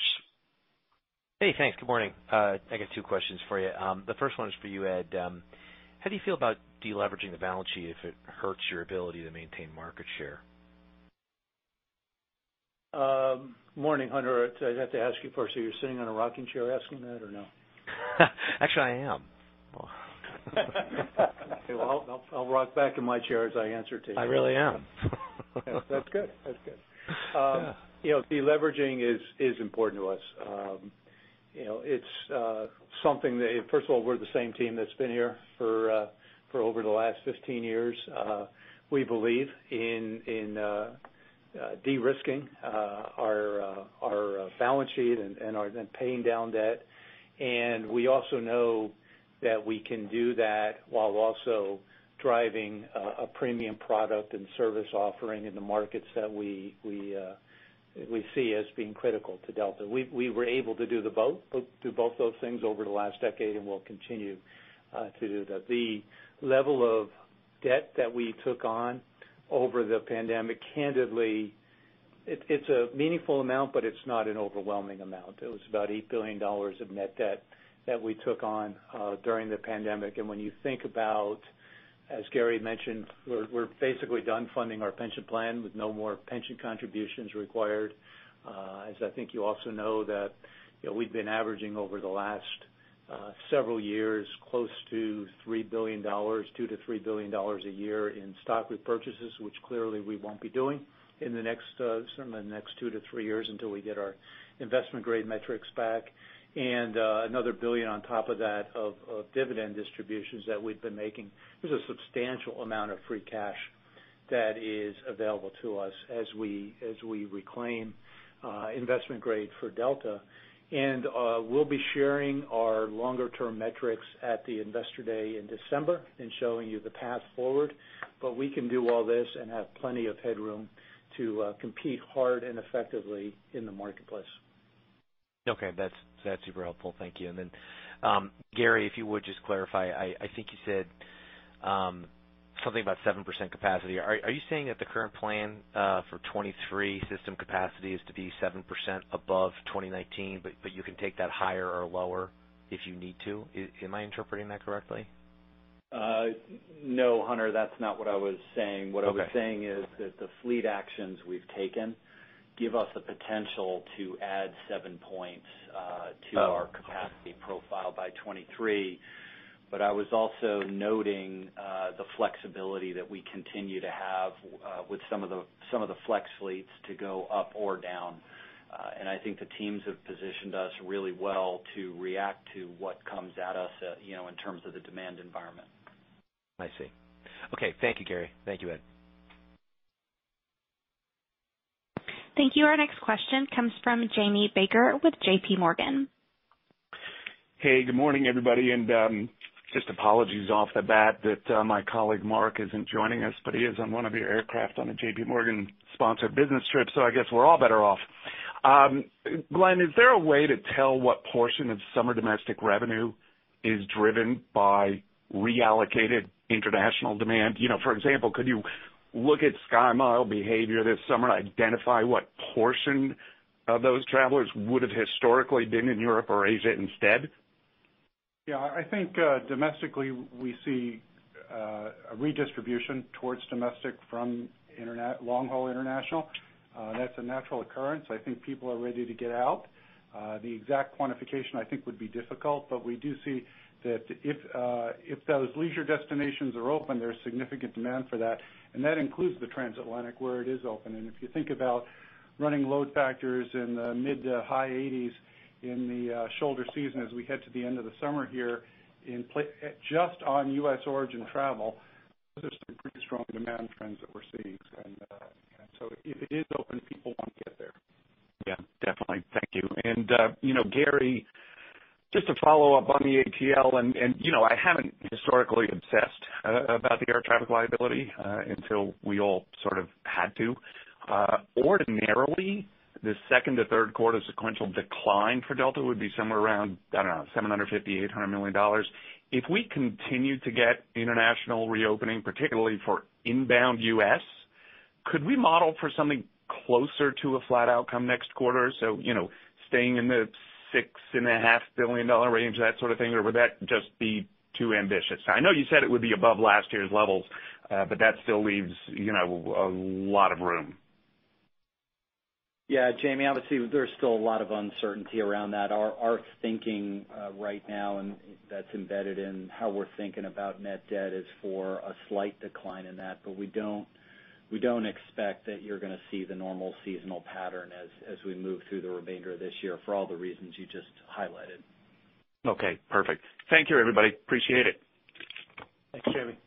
Hey, thanks. Good morning. I got two questions for you. The first one is for you, Ed. How do you feel about de-leveraging the balance sheet if it hurts your ability to maintain market share? Morning, Hunter. I have to ask you first, are you sitting in a rocking chair asking that or no? Actually, I am. Okay. Well, I'll rock back in my chair as I answer to you. I really am. That's good. De-leveraging is important to us. First of all, we're the same team that's been here for over the last 15 years. We believe in de-risking our balance sheet and our paying down debt. We also know that we can do that while also driving a premium product and service offering in the markets that we see as being critical to Delta. We were able to do both those things over the last decade, and we'll continue to do that. The level of debt that we took on over the pandemic, candidly, it's a meaningful amount, but it's not an overwhelming amount. It was about $8 billion of net debt that we took on during the pandemic. When you think about, as Gary mentioned, we're basically done funding our pension plan with no more pension contributions required. As I think you also know that we've been averaging over the last several years, close to $3 billion, $2 billion-$3 billion a year in stock repurchases, which clearly we won't be doing in the next two to three years until we get our investment-grade metrics back. Another $1 billion on top of that of dividend distributions that we've been making. There's a substantial amount of free cash that is available to us as we reclaim investment-grade for Delta. We'll be sharing our longer-term metrics at the Investor Day in December and showing you the path forward. We can do all this and have plenty of headroom to compete hard and effectively in the marketplace. Okay. That's super helpful. Thank you. Then, Gary, if you would just clarify, I think you said something about 7% capacity. Are you saying that the current plan for 2023 system capacity is to be 7% above 2019, but you can take that higher or lower if you need to? Am I interpreting that correctly? No, Hunter, that's not what I was saying. What I am saying is that the fleet actions we've taken give us the potential to add 7 points to our capacity profile by 2023. I was also noting the flexibility that we continue to have with some of the flex fleets to go up or down. I think the teams have positioned us really well to react to what comes at us in terms of the demand environment. I see. Okay. Thank you, Gary Thank you, Ed. Thank you. Our next question comes from Jamie Baker with JPMorgan. Good morning, everybody. Just apologies off the bat that my colleague Mark isn't joining us. He is on one of your aircraft on a JPMorgan sponsored business trip. I guess we're all better off. Glen, is there a way to tell what portion of summer domestic revenue is driven by reallocated international demand? For example, could you look at SkyMiles behavior this summer and identify what portion of those travelers would have historically been in Europe or Asia instead? I think domestically, we see a redistribution towards domestic from long-haul international. That's a natural occurrence. I think people are ready to get out. The exact quantification, I think, would be difficult, but we do see that if those leisure destinations are open, there's significant demand for that, and that includes the Transatlantic, where it is open. If you think about running load factors in the mid-to-high 80s in the shoulder season as we head to the end of the summer here just on U.S. origin travel, those are some pretty strong demand trends that we're seeing. If it is open, people want to get there. Yeah, definitely. Thank you. Gary, just to follow up on the ATL, and I haven't historically obsessed about the air traffic liability, until we all sort of had to. Ordinarily, the second to third quarter sequential decline for Delta would be somewhere around, I don't know, $750 million-$800 million. If we continue to get international reopening, particularly for inbound U.S., could we model for something closer to a flat outcome next quarter? Staying in the $6.5 billion range, that sort of thing, or would that just be too ambitious? I know you said it would be above last year's levels, but that still leaves a lot of room. Jamie, obviously, there's still a lot of uncertainty around that. Our thinking right now, and that's embedded in how we're thinking about net debt, is for a slight decline in that. We don't expect that you're going to see the normal seasonal pattern as we move through the remainder of this year for all the reasons you just highlighted. Okay, perfect. Thank you everybody. Appreciate it. Thanks, Jamie.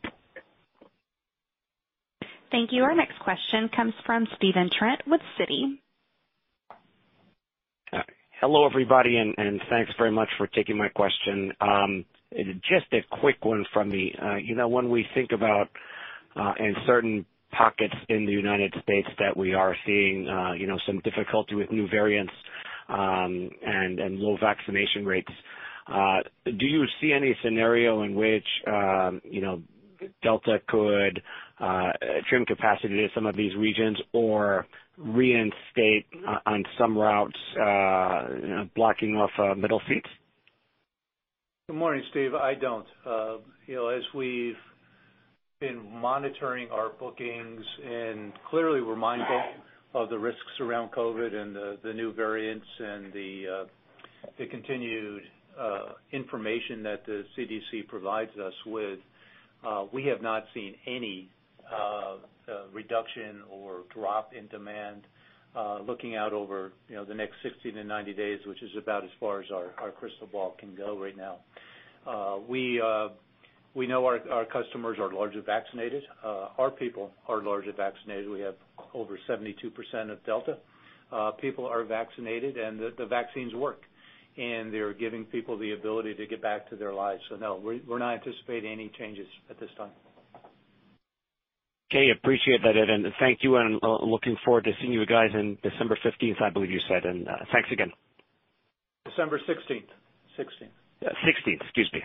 Thank you. Our next question comes from Stephen Trent with Citi. Hello, everybody, thanks very much for taking my question. Just a quick one from me. When we think about in certain pockets in the U.S. that we are seeing some difficulty with new variants and low vaccination rates, do you see any scenario in which Delta could trim capacity to some of these regions or reinstate on some routes, blocking off middle seats? Good morning, Steve. I don't. As we've been monitoring our bookings and clearly reminded of the risks around COVID-19 and the new variants and the continued information that the CDC provides us with, we have not seen any reduction or drop in demand looking out over the next 60-90 days, which is about as far as our crystal ball can go right now. We know our customers are largely vaccinated. Our people are largely vaccinated. We have over 72% of Delta people are vaccinated, and the vaccines work, and they're giving people the ability to get back to their lives. No, we're not anticipating any changes at this time. Okay. Appreciate that, Ed, and thank you, and looking forward to seeing you guys on December 15th, I believe you said, and thanks again. December 16th. 16th. Excuse me.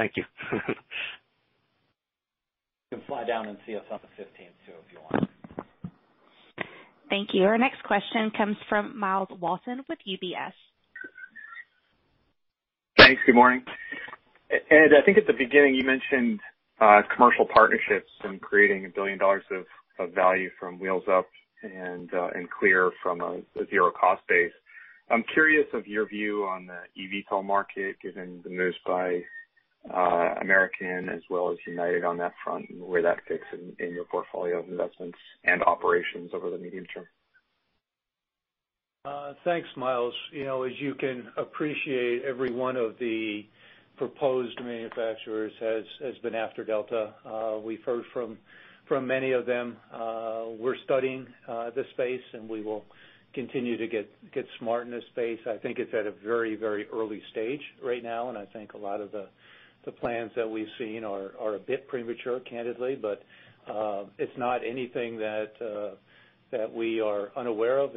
Thank you. You can fly down and see us on the 15th too, if you want. Thank you. Our next question comes from Myles Walton with UBS. Thanks. Good morning. Ed, I think at the beginning, you mentioned commercial partnerships and creating a $1 billion of value from Wheels Up and CLEAR from a zero cost base. I'm curious of your view on the eVTOL market, given the moves by American as well as United on that front and where that fits in your portfolio of investments and operations over the medium term. Thanks, Myles. As you can appreciate, every one of the proposed manufacturers has been after Delta. We've heard from many of them. We're studying the space, and we will continue to get smart in this space. I think it's at a very early stage right now, and I think a lot of the plans that we've seen are a bit premature, candidly. It's not anything that we are unaware of.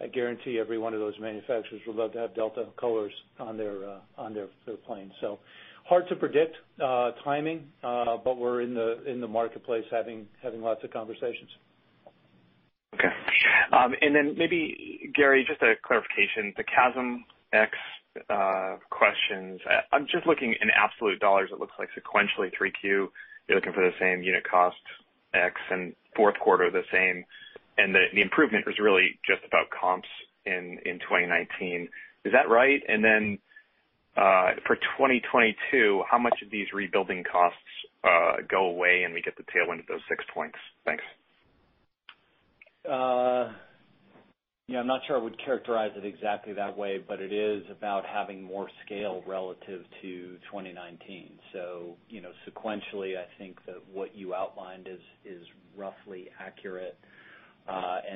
I guarantee every one of those manufacturers would love to have Delta colors on their planes. Hard to predict timing, but we're in the marketplace having lots of conversations. Okay. Maybe, Gary, just a clarification, the CASM ex questions. I'm just looking in absolute dollars, it looks like sequentially 3Q, you're looking for the same unit cost, ex and fourth quarter the same, the improvement is really just about comps in 2019. Is that right? For 2022, how much of these rebuilding costs go away and we get the tailwind of those 6 points? Thanks. I'm not sure I would characterize it exactly that way, but it is about having more scale relative to 2019. Sequentially, I think that what you outlined is roughly accurate.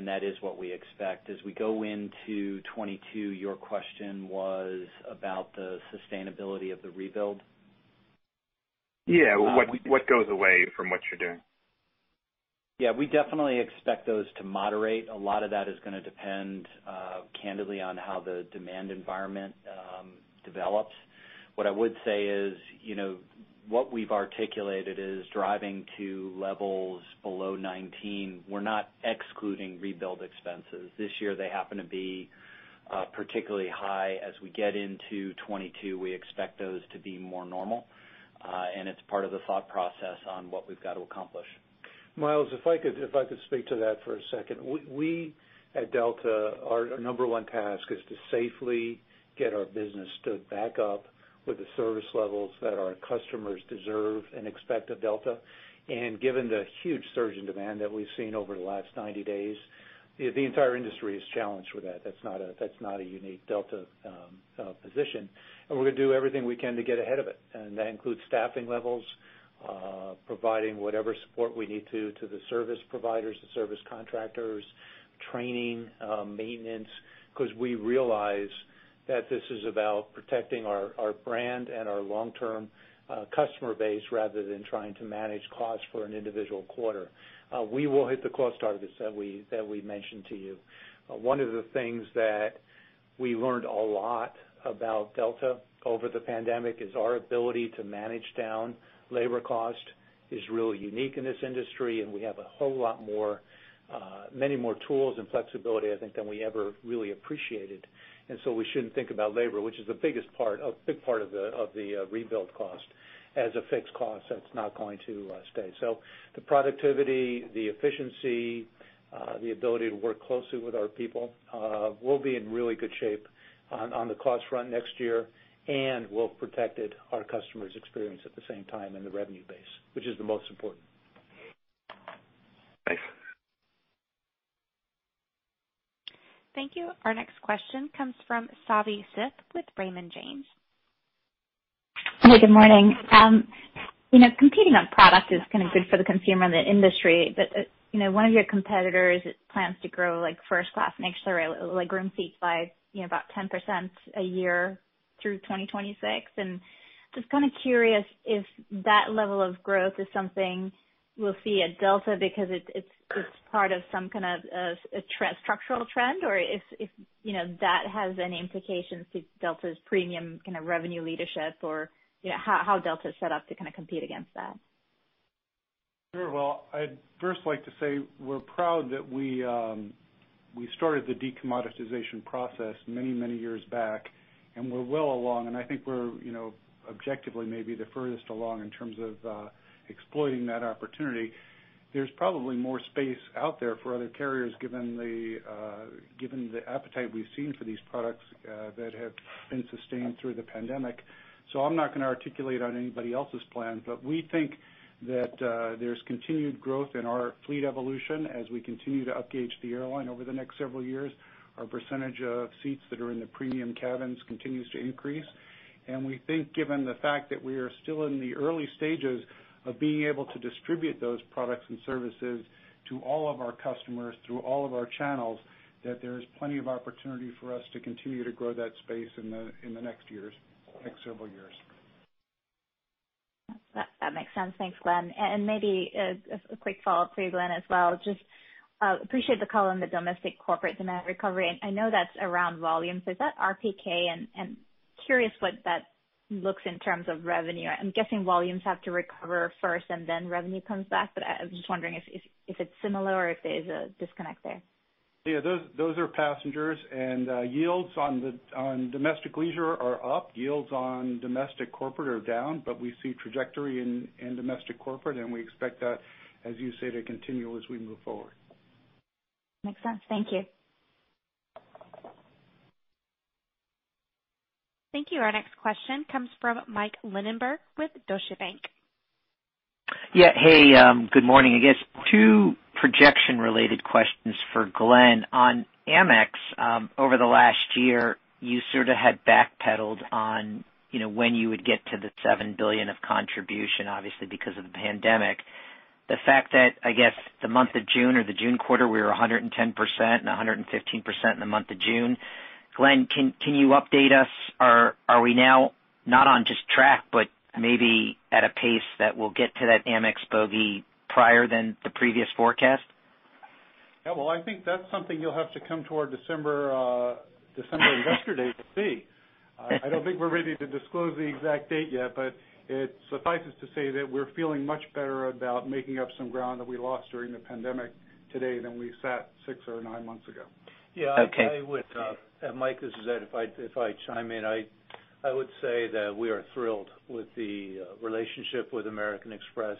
That is what we expect. As we go into 2022, your question was about the sustainability of the rebuild? Yeah. What goes away from what you're doing? Yeah, we definitely expect those to moderate. A lot of that is going to depend, candidly, on how the demand environment develops. What I would say is, what we've articulated is driving to levels below 2019. We're not excluding rebuild expenses. This year they happen to be particularly high. As we get into 2022, we expect those to be more normal. It's part of the thought process on what we've got to accomplish. Myles, if I could speak to that for a second. We at Delta, our number one task is to safely get our business stood back up with the service levels that our customers deserve and expect of Delta. Given the huge surge in demand that we've seen over the last 90 days, the entire industry is challenged with that. That's not a unique Delta position. We're going to do everything we can to get ahead of it. That includes staffing levels, providing whatever support we need to the service providers, the service contractors, training, maintenance, because we realize that this is about protecting our brand and our long-term customer base rather than trying to manage costs for an individual quarter. We will hit the cost targets that we mentioned to you. One of the things that we learned a lot about Delta over the pandemic is our ability to manage down labor cost is really unique in this industry, and we have a whole lot more, many more tools and flexibility, I think, than we ever really appreciated. We shouldn't think about labor, which is the biggest part, a big part of the rebuild cost, as a fixed cost that's not going to stay. The productivity, the efficiency, the ability to work closely with our people, we'll be in really good shape on the cost front next year, and we'll protect our customers' experience at the same time and the revenue base, which is the most important. Thanks. Thank you. Our next question comes from Savi Syth with Raymond James. Hi, good morning. Competing on product is good for the consumer and the industry, one of your competitors plans to grow first half next year room seats by about 10% a year through 2026. Just curious if that level of growth is something we'll see at Delta because it's part of some kind of a structural trend, or if that has any implications to Delta's premium revenue leadership or how Delta's set up to compete against that. Sure. Well, I'd first like to say we're proud that we started the decommoditization process many years back, and we're well along, and I think we're objectively maybe the furthest along in terms of exploiting that opportunity. There's probably more space out there for other carriers, given the appetite we've seen for these products that have been sustained through the pandemic. I'm not going to articulate on anybody else's plans, but we think that there's continued growth in our fleet evolution as we continue to upgauge the airline over the next several years. Our percentage of seats that are in the premium cabins continues to increase. We think given the fact that we are still in the early stages of being able to distribute those products and services to all of our customers through all of our channels, that there is plenty of opportunity for us to continue to grow that space in the next years, next several years. That makes sense. Thanks, Glen. Maybe a quick follow-up for you, Glen, as well. Just appreciate the call on the domestic corporate demand recovery, and I know that's around volumes. Is that RPK? Curious what that looks in terms of revenue. I'm guessing volumes have to recover first and then revenue comes back, but I was just wondering if it's similar or if there's a disconnect there. Yeah, those are passengers and yields on domestic leisure are up, yields on domestic corporate are down, but we see trajectory in domestic corporate, and we expect that, as you say, to continue as we move forward. Makes sense. Thank you. Thank you. Our next question comes from Mike Linenberg with Deutsche Bank. Yeah. Hey, good morning. I guess two projection-related questions for Glen. On Amex, over the last year, you sort of had backpedaled on when you would get to the $7 billion of contribution, obviously because of the pandemic. The fact that, I guess, the month of June or the June quarter, we were 110% and 115% in the month of June. Glen, can you update us? Are we now not on just track, but maybe at a pace that we'll get to that Amex bogey prior than the previous forecast? Yeah. Well, I think that's something you'll have to come toward December investor day to see. I don't think we're ready to disclose the exact date yet, but it suffices to say that we're feeling much better about making up some ground that we lost during the pandemic today than we sat six or nine months ago. Okay. Yeah. Mike has said, if I chime in, I would say that we are thrilled with the relationship with American Express.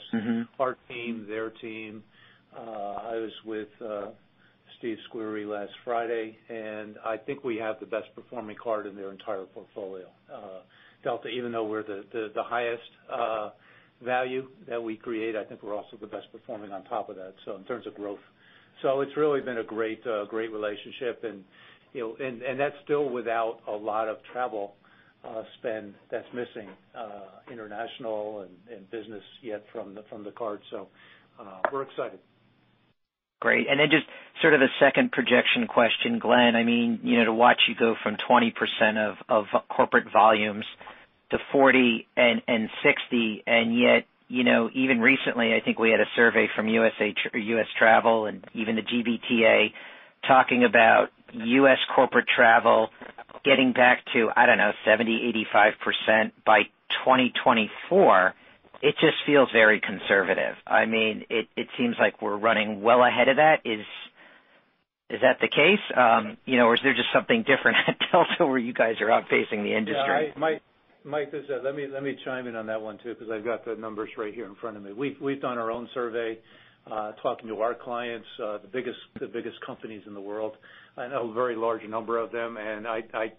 Our team, their team. I was with Steve Squeri last Friday. I think we have the best performing card in their entire portfolio. Delta, even though we're the highest value that we create, I think we're also the best performing on top of that, so in terms of growth. It's really been a great relationship. That's still without a lot of travel spend that's missing international and business yet from the card. We're excited. Great. Just sort of the second projection question, Glen. To watch you go from 20% of corporate volumes to 40% and 60%, and yet even recently, I think we had a survey from U.S. Travel and even the GBTA talking about U.S. corporate travel getting back to, I don't know, 70%, 85% by 2024. It just feels very conservative. It seems like we're running well ahead of that. Is that the case? Is there just something different at Delta where you guys are out pacing the industry? Yeah. Mike has said, let me chime in on that one, too, because I've got the numbers right here in front of me. We've done our own survey, talking to our clients, the biggest companies in the world. I know a very large number of them, and I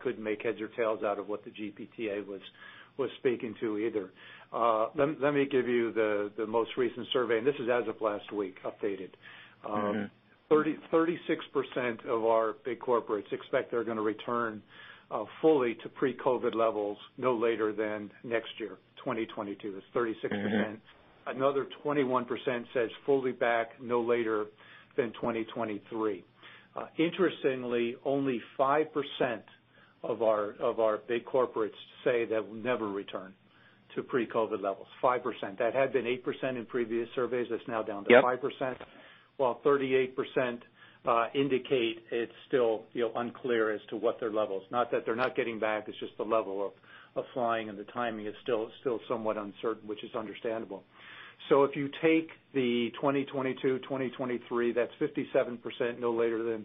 couldn't make heads or tails out of what the GBTA was speaking to either. Let me give you the most recent survey, and this is as of last week, updated. 36% of our big corporates expect they're going to return fully to pre-COVID levels no later than next year, 2022, is 36%. Another 21% says fully back, no later than 2023. Interestingly, only 5% of our big corporates say they will never return to pre-COVID levels. 5%. That had been 8% in previous surveys. That's now down to 5%. Yep. While 38% indicate it's still unclear as to what their levels. Not that they're not getting back, it's just the level of flying and the timing is still somewhat uncertain, which is understandable. If you take the 2022, 2023, that's 57% no later than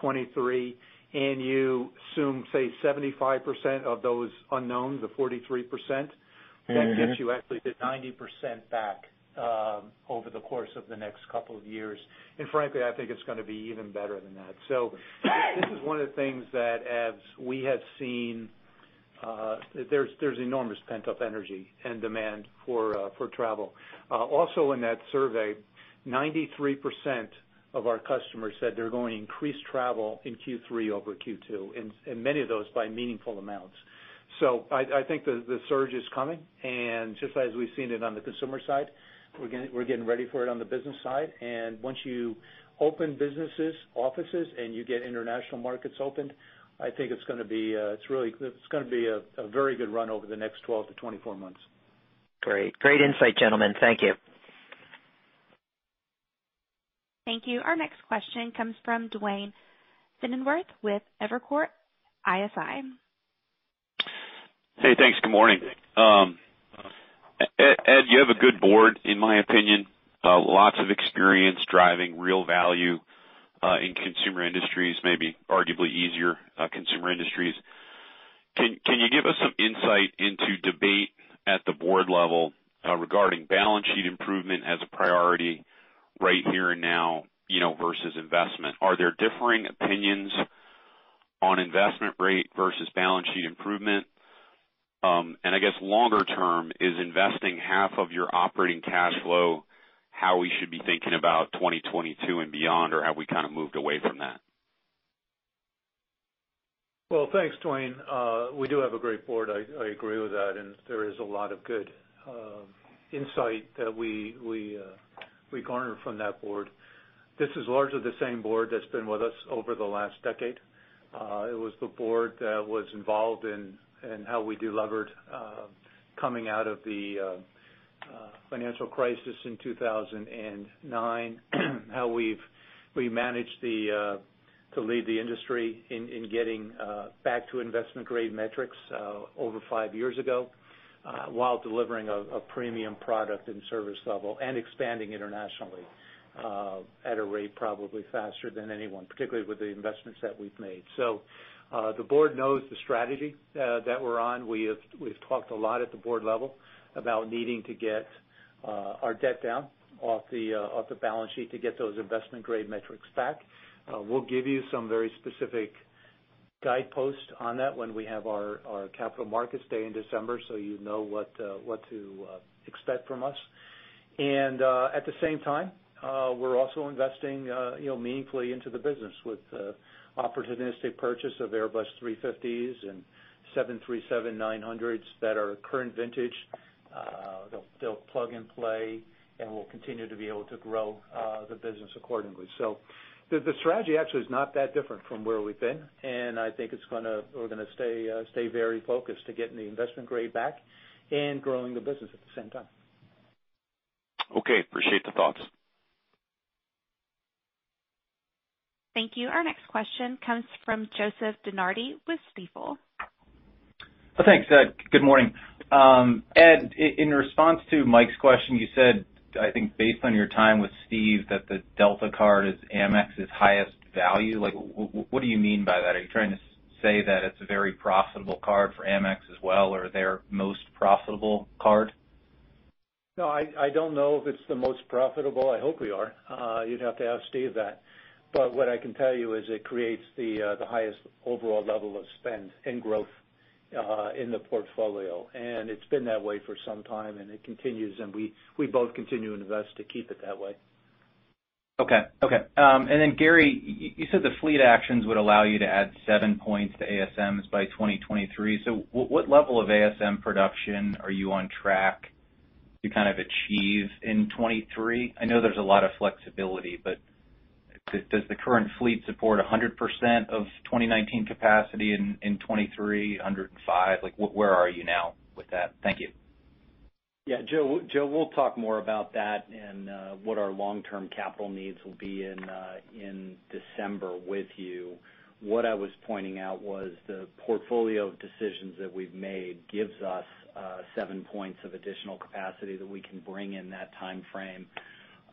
2023, and you assume, say, 75% of those unknown, the 43%, that gets you actually to 90% back over the course of the next couple of years. Frankly, I think it's going to be even better than that. This is one of the things that, Ed, we have seen. There's enormous pent-up energy and demand for travel. Also in that survey, 93% of our customers said they're going to increase travel in Q3 over Q2, and many of those by meaningful amounts. I think the surge is coming, just as we've seen it on the consumer side, we're getting ready for it on the business side. Once you open businesses, offices, and you get international markets opened, I think it's going to be a very good run over the next 12 to 24 months. Great insight, gentlemen. Thank you. Thank you. Our next question comes from Duane Pfennigwerth with Evercore ISI. Hey, thanks. Good morning. Ed, you have a good board, in my opinion. Lots of experience driving real value in consumer industries, maybe arguably easier consumer industries. Can you give us some insight into debate at the board level regarding balance sheet improvement as a priority right here and now versus investment? Are there differing opinions on investment rate versus balance sheet improvement? I guess longer term, is investing half of your operating cash flow how we should be thinking about 2022 and beyond, or have we kind of moved away from that? Well, thanks, Duane. We do have a great board. I agree with that, and there is a lot of good insight that we garner from that board. This is largely the same board that's been with us over the last decade. It was the board that was involved in how we delevered coming out of the financial crisis in 2009. How we managed to lead the industry in getting back to investment-grade metrics over five years ago while delivering a premium product and service level and expanding internationally at a rate probably faster than anyone, particularly with the investments that we've made. The board knows the strategy that we're on. We've talked a lot at the board level about needing to get our debt down off the balance sheet to get those investment-grade metrics back. We'll give you some very specific guideposts on that when we have our capital markets day in December so you know what to expect from us. At the same time, we're also investing meaningfully into the business with the opportunistic purchase of Airbus A350s and 737-900s that are current vintage. They'll plug and play, we'll continue to be able to grow the business accordingly. The strategy actually is not that different from where we've been, I think we're going to stay very focused to get the investment grade back and growing the business at the same time. Okay. Appreciate the thoughts. Thank you. Our next question comes from Joseph DeNardi with Stifel. Thanks. Good morning. Ed, in response to Mike's question, you said, I think based on your time with Steve that the Delta card is Amex's highest value. What do you mean by that? Are you trying to say that it's a very profitable card for Amex as well, or their most profitable card? No, I don't know if it's the most profitable. I hope we are. You'd have to ask Steve that. What I can tell you is it creates the highest overall level of spend and growth in the portfolio, and it's been that way for some time, and it continues, and we both continue to invest to keep it that way. Okay. Gary, you said the fleet actions would allow you to add 7 points to ASMs by 2023. What level of ASM production are you on track to kind of achieve in 2023? I know there's a lot of flexibility, does the current fleet support 100% of 2019 capacity in 2023, 105%? Where are you now with that? Thank you. Yeah. Joe, we'll talk more about that and what our long-term capital needs will be in December with you. What I was pointing out was the portfolio of decisions that we've made gives us 7 points of additional capacity that we can bring in that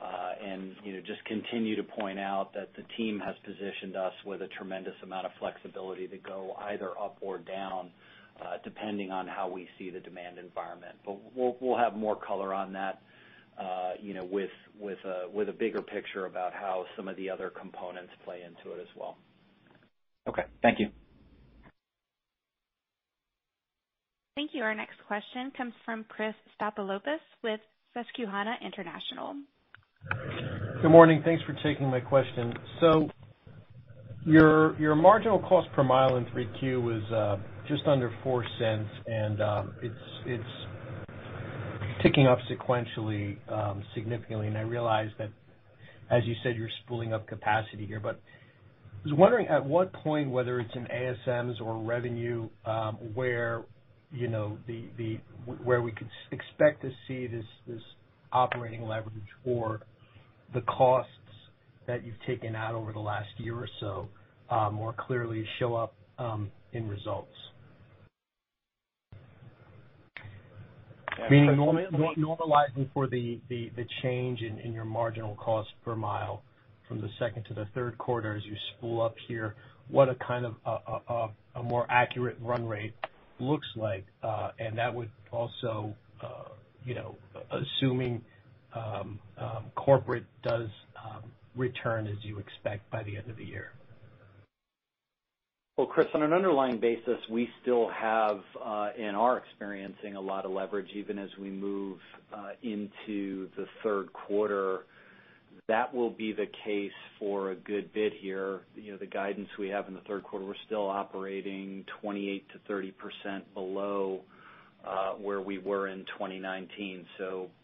timeframe. Just continue to point out that the team has positioned us with a tremendous amount of flexibility to go either up or down, depending on how we see the demand environment. We'll have more color on that with a bigger picture about how some of the other components play into it as well. Okay. Thank you. Thank you. Our next question comes from Chris Stathoulopoulos with Susquehanna International. Good morning. Thanks for taking my question. Your marginal cost per mile in Q3 was just under $0.04, and it's ticking up sequentially, significantly. I realize that, as you said, you're spooling up capacity here, but I was wondering at what point, whether it's in ASMs or revenue, where we could expect to see this operating leverage or the costs that you've taken out over the last year or so more clearly show up in results. I mean, normalizing for the change in your marginal cost per mile from the second to the third quarter as you spool up here, what a more accurate run rate looks like, and that would also, assuming corporate does return as you expect by the end of the year. Well, Chris, on an underlying basis, we still have and are experiencing a lot of leverage even as we move into the third quarter. That will be the case for a good bit here. The guidance we have in the third quarter, we're still operating 28%-30% below where we were in 2019.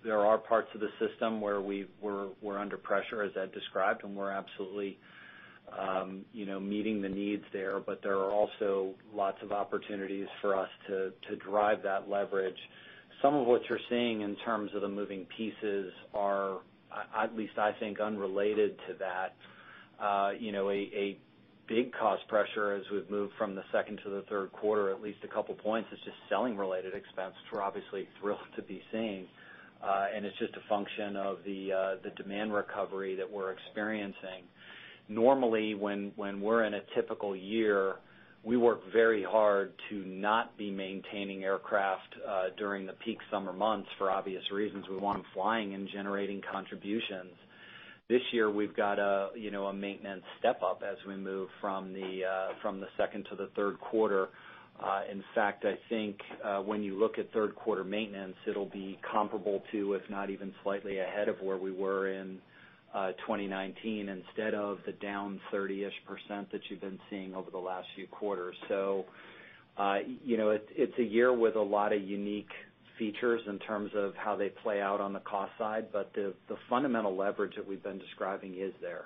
There are parts of the system where we're under pressure, as I described, and we're absolutely meeting the needs there, but there are also lots of opportunities for us to drive that leverage. Some of what you're seeing in terms of the moving pieces are, at least I think, unrelated to that. A big cost pressure as we've moved from the second to the third quarter, at least a couple of points, is just selling-related expense, which we're obviously thrilled to be seeing. It's just a function of the demand recovery that we're experiencing. When we're in a typical year, we work very hard to not be maintaining aircraft during the peak summer months for obvious reasons. We want them flying and generating contributions. This year, we've got a maintenance step-up as we move from the second to the third quarter. I think when you look at third-quarter maintenance, it'll be comparable to, if not even slightly ahead of where we were in 2019 instead of the down 30-ish% that you've been seeing over the last few quarters. It's a year with a lot of unique features in terms of how they play out on the cost side, but the fundamental leverage that we've been describing is there.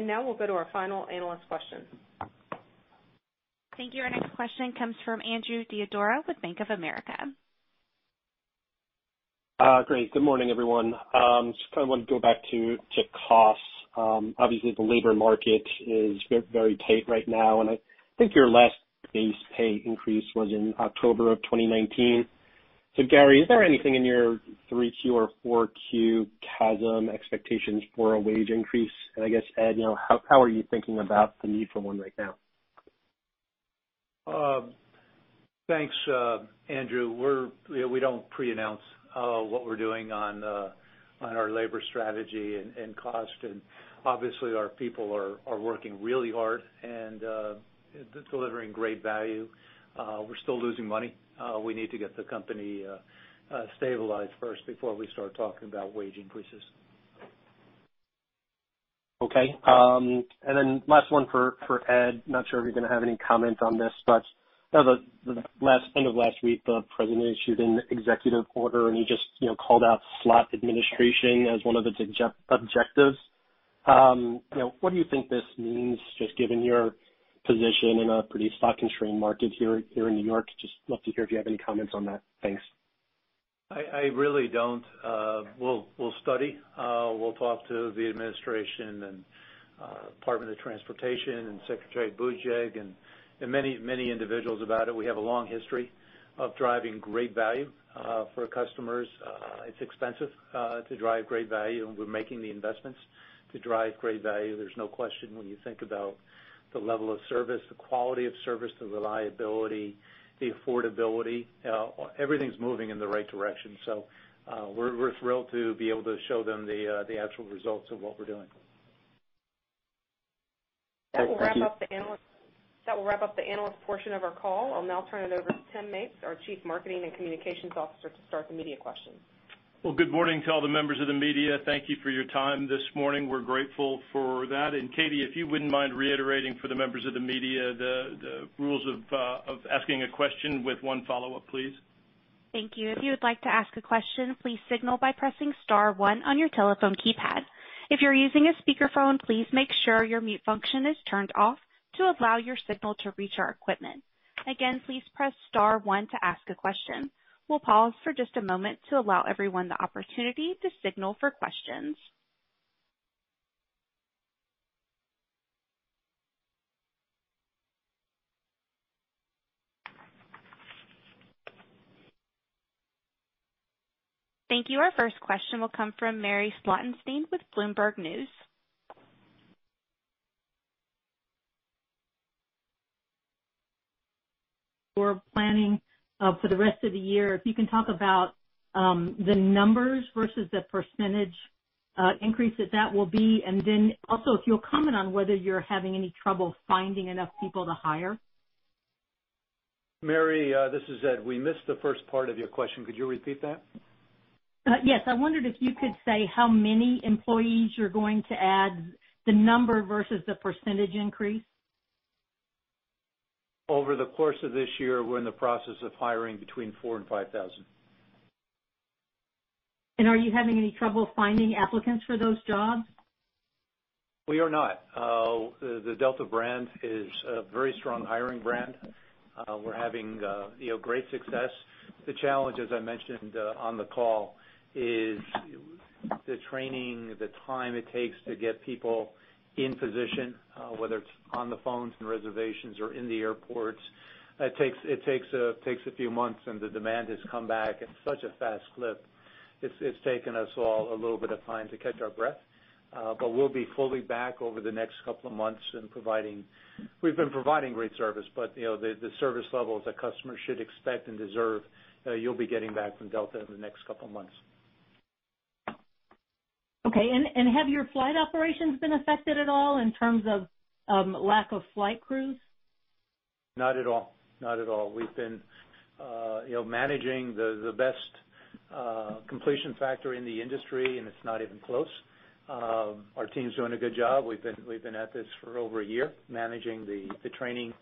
Now we'll go to our final analyst question. Thank you. Our next question comes from Andrew Didora with Bank of America. Great. Good morning, everyone. Just want to go back to costs. Obviously, the labor market is very tight right now, and I think your last base pay increase was in October of 2019. Gary, is there anything in your Q3 or Q4 CASM expectations for a wage increase? I guess, Ed, how are you thinking about the need for one right now? Thanks, Andrew. We don't pre-announce what we're doing on our labor strategy and cost. Obviously, our people are working really hard and delivering great value. We're still losing money. We need to get the company stabilized first before we start talking about wage increases. Okay. Last one for Ed. Not sure if you're going to have any comment on this, at the end of last week, the President issued an executive order and just called out slot administration as one of its objectives. What do you think this means, just given your position in a pretty slot-constrained market here in New York? Just love to hear if you have any comments on that. Thanks. I really don't. We'll study. We'll talk to the administration and Department of Transportation and Secretary Buttigieg and many individuals about it. We have a long history of driving great value for customers. It's expensive to drive great value, and we're making the investments to drive great value. There's no question when you think about the level of service, the quality of service, the reliability, the affordability. Everything's moving in the right direction. We're thrilled to be able to show them the actual results of what we're doing. That will wrap up the analyst portion of our call. I'll now turn it over to Tim Mapes, our Chief Marketing and Communications Officer, to start the media questions. Well, good morning to all the members of the media. Thank you for your time this morning. We're grateful for that. Katie, if you wouldn't mind reiterating for the members of the media the rules of asking a question with one follow-up, please. Thank you. If you would like to ask a question, please signal by pressing star one on your telephone keypad. If you're using a speakerphone, please make sure your mute function is turned off to allow your signal to reach our equipment. Again, please press star one to ask a question. We'll pause for just a moment to allow everyone the opportunity to signal for questions. Thank you. Our first question will come from Mary Schlangenstein with Bloomberg News. We're planning for the rest of the year. If you can talk about the numbers versus the percentage increase that will be, and then also if you'll comment on whether you're having any trouble finding enough people to hire. Mary, this is Ed. We missed the first part of your question. Could you repeat that? Yes. I wondered if you could say how many employees you're going to add, the number versus the percentage increase. Over the course of this year, we're in the process of hiring between 4,000 and 5,000. Are you having any trouble finding applicants for those jobs? We are not. The Delta brand is a very strong hiring brand. We're having great success. The challenge, as I mentioned on the call, is the training, the time it takes to get people in position, whether it's on the phones and reservations or in the airports. It takes a few months, and the demand has come back at such a fast clip. It's taken us all a little bit of time to catch our breath. We'll be fully back over the next couple of months and We've been providing great service, but the service levels that customers should expect and deserve, you'll be getting back from Delta in the next couple of months. Okay. Have your flight operations been affected at all in terms of lack of flight crews? Not at all. We've been managing the best completion factor in the industry, and it's not even close. Our team's doing a good job. We've been at this for over a year, managing the training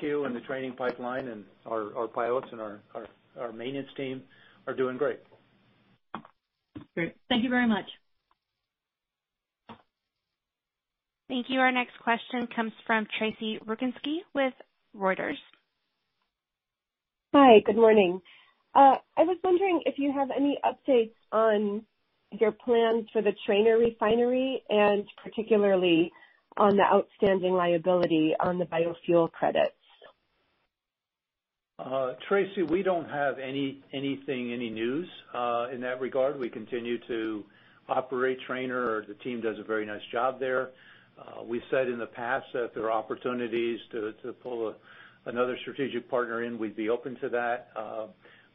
queue and the training pipeline, and our pilots and our maintenance team are doing great. Great. Thank you very much. Thank you. Our next question comes from Tracy Rucinski with Reuters. Hi, good morning. I was wondering if you have any updates on your plan for the Trainer Refinery and particularly on the outstanding liability on the biofuel credits. Tracy, we don't have anything, any news in that regard. We continue to operate Trainer. The team does a very nice job there. We said in the past that there are opportunities to pull another strategic partner in. We'd be open to that.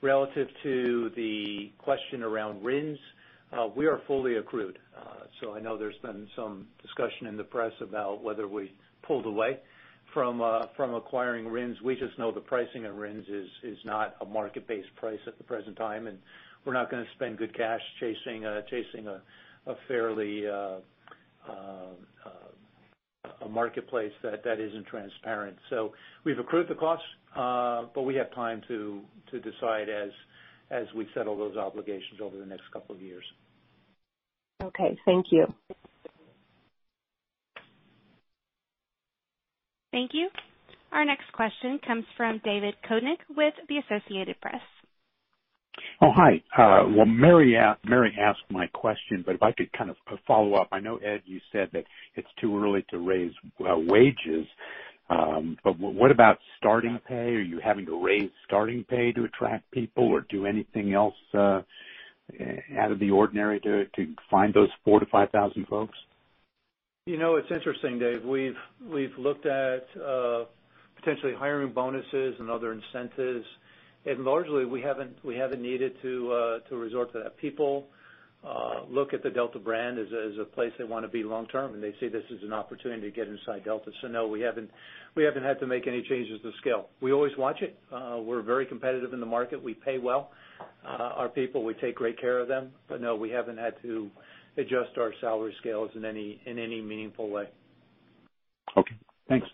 Relative to the question around RINs, we are fully accrued. I know there's been some discussion in the press about whether we pulled away from acquiring RINs. We just know the pricing of RINs is not a market-based price at the present time, and we're not going to spend good cash chasing a marketplace that isn't transparent. We've accrued the cost, but we have time to decide as we settle those obligations over the next couple of years. Okay. Thank you. Thank you. Our next question comes from David Koenig with the Associated Press. Oh, hi. Well, Mary asked my question, but I'd like to kind of follow up. I know, Ed, you said that it's too early to raise wages. What about starting pay? Are you having to raise starting pay to attract people or do anything else out of the ordinary to find those 4,000-5,000 folks? It's interesting, Dave. We've looked at potentially hiring bonuses and other incentives, largely, we haven't needed to resort to that. People look at the Delta brand as a place they want to be long-term, they see this as an opportunity to get inside Delta. No, we haven't had to make any changes of scale. We always watch it. We're very competitive in the market. We pay well. Our people, we take great care of them. No, we haven't had to adjust our salary scales in any meaningful way. Okay, thanks.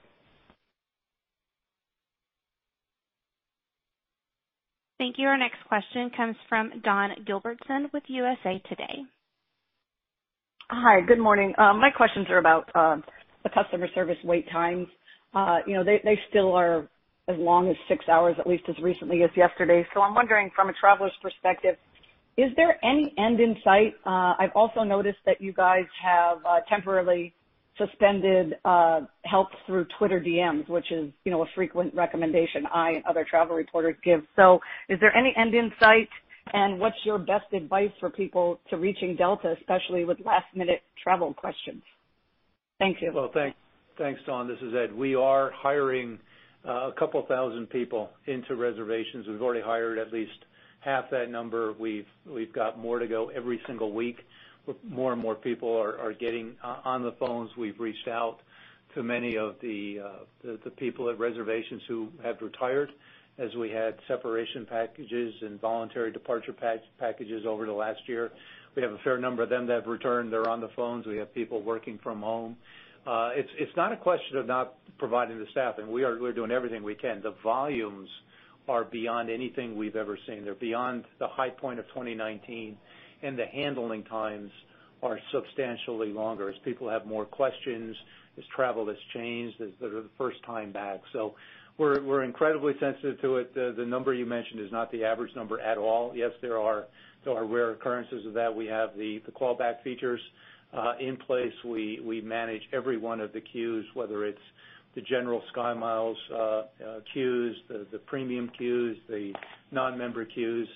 Thank you. Our next question comes from Dawn Gilbertson with USA Today. Hi. Good morning. My questions are about the customer service wait times. They still are as long as six hours, at least as recently as yesterday. I'm wondering from a traveler's perspective, is there any end in sight? I've also noticed that you guys have temporarily suspended help through Twitter DMs, which is a frequent recommendation I other travel reporters give. Is there any end in sight? What's your best advice for people to reaching Delta, especially with last-minute travel questions? Thank you. Well, thanks, Dawn. This is Ed. We are hiring 2,000 people into reservations. We've already hired at least half that number. We've got more to go every single week. More and more people are getting on the phones. We've reached out to many of the people at reservations who have retired as we had separation packages and voluntary departure packages over the last year. We have a fair number of them that have returned. They're on the phones. We have people working from home. It's not a question of not providing the staffing. We're doing everything we can. The volumes are beyond anything we've ever seen. They're beyond the high point of 2019. The handling times are substantially longer as people have more questions, as travel has changed, as they're the first time back. We're incredibly sensitive to it. The number you mentioned is not the average number at all. Yes, there are rare occurrences of that. We have the callback features in place. We manage every one of the queues, whether it's the general SkyMiles queues, the premium queues, the non-member queues,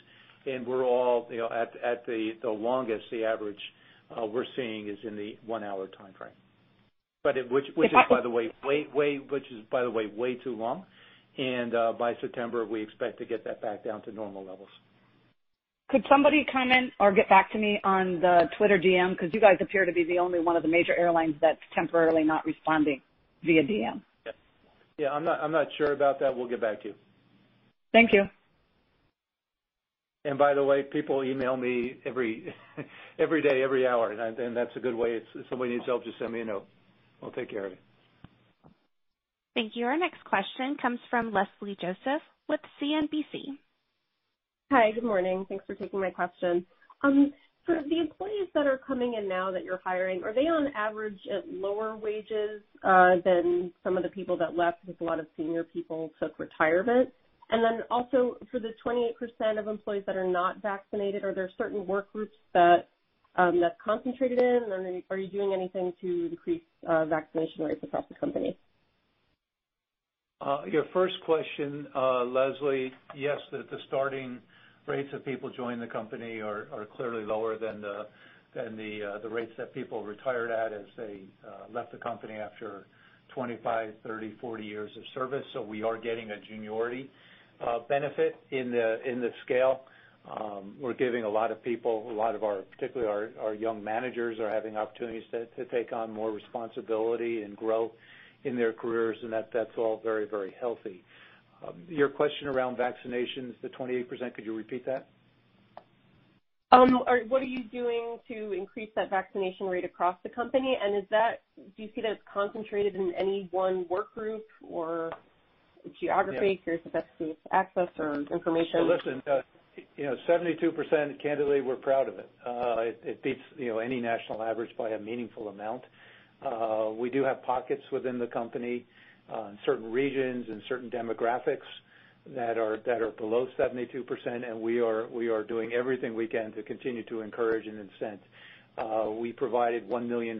and at the longest, the average we're seeing is in the one-hour timeframe, which is, by the way too long, and by September, we expect to get that back down to normal levels. Could somebody comment or get back to me on the Twitter DM because you guys appear to be the only one of the major airlines that's temporarily not responding via DM? Yeah. I'm not sure about that. We'll get back to you. Thank you. By the way, people email me every day, every hour, and that's a good way. If somebody at Delta just send me a note, we'll take care of you. Thank you. Our next question comes from Leslie Josephs with CNBC. Hi. Good morning. Thanks for taking my question. For the employees that are coming in now that you're hiring, are they on average at lower wages than some of the people that left because a lot of senior people took retirement? Also for the 28% of employees that are not vaccinated, are there certain work groups that that's concentrated in? Are you doing anything to increase vaccination rates across the company? Your first question, Leslie, yes, the starting rates of people joining the company are clearly lower than the rates that people retired at as they left the company after 25, 30, 40 years of service. We are getting a seniority benefit in the scale. We're giving a lot of people, particularly our young managers, are having opportunities to take on more responsibility and grow in their careers, and that's all very, very healthy. Your question around vaccinations, the 28%, could you repeat that? What are you doing to increase that vaccination rate across the company? Do you see that concentrated in any one work group or geography through access or information? Listen, 72%, candidly, we're proud of it. It beats any national average by a meaningful amount. We do have pockets within the company, certain regions and certain demographics that are below 72%, and we are doing everything we can to continue to encourage and incent. We provided $1 million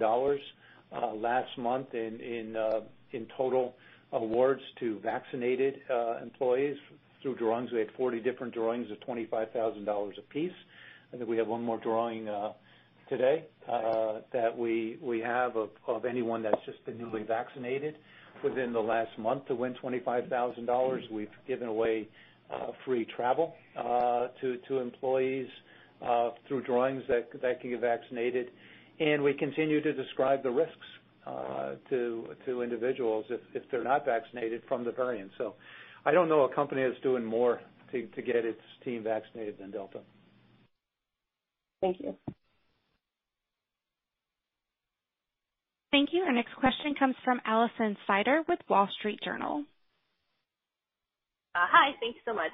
last month in total awards to vaccinated employees through drawings. We had 40 different drawings of $25,000 a piece, and then we have one more drawing today that we have of anyone that's just been newly vaccinated within the last month to win $25,000. We've given away free travel to employees through drawings that can get vaccinated, and we continue to describe the risks to individuals if they're not vaccinated from the variant. I don't know a company that's doing more to get its team vaccinated than Delta. Thank you. Thank you. Our next question comes from Alison Sider with Wall Street Journal. Hi. Thanks so much.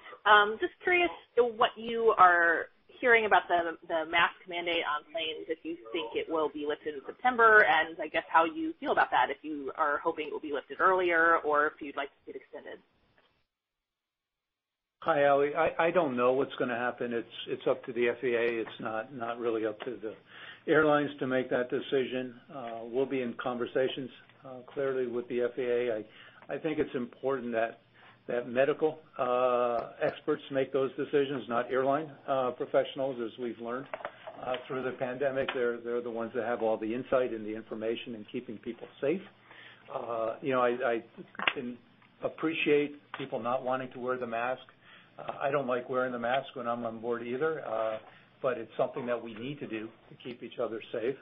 Just curious what you are hearing about the mask mandate on planes, if you think it will be lifted in September, and I guess how you feel about that, if you are hoping it will be lifted earlier or if you'd like to see it extended. Hi, Allie. I don't know what's going to happen. It's up to the FAA. It's not really up to the airlines to make that decision. We'll be in conversations clearly with the FAA. I think it's important that medical experts make those decisions, not airline professionals, as we've learned through the pandemic. They're the ones that have all the insight and the information in keeping people safe. I can appreciate people not wanting to wear the mask. I don't like wearing the mask when I'm on board either. It's something that we need to do to keep each other safe.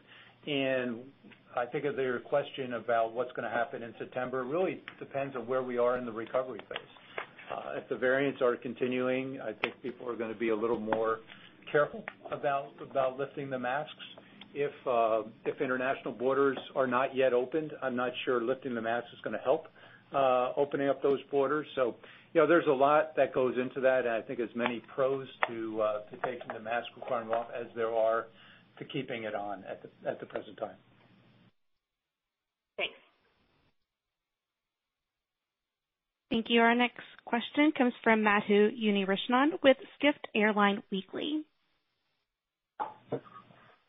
I think to your question about what's going to happen in September, really, it depends on where we are in the recovery phase. If the variants are continuing, I think people are going to be a little more careful about lifting the masks. If international borders are not yet opened, I'm not sure lifting the masks is going to help opening up those borders. There's a lot that goes into that, and I think as many pros to taking the mask requirement off as there are to keeping it on at the present time. Thanks. Thank you. Our next question comes from Madhu Unnikrishnan with Skift Airline Weekly.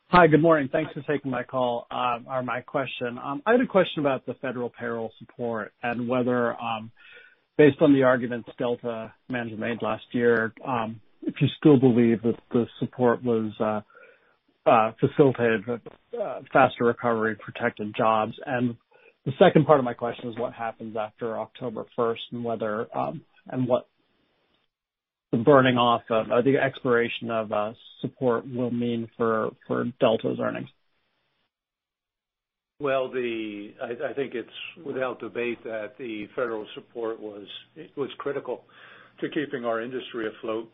Hi. Good morning. Thanks for taking my call or my question. I had a question about the federal Payroll Support and whether, based on the arguments Delta management made last year, if you still believe that the support was facilitated with faster recovery, protected jobs. The second part of my question is what happens after October 1st and what the burning off of the expiration of support will mean for Delta earnings? I think it's without debate that the federal support was critical to keeping our industry afloat,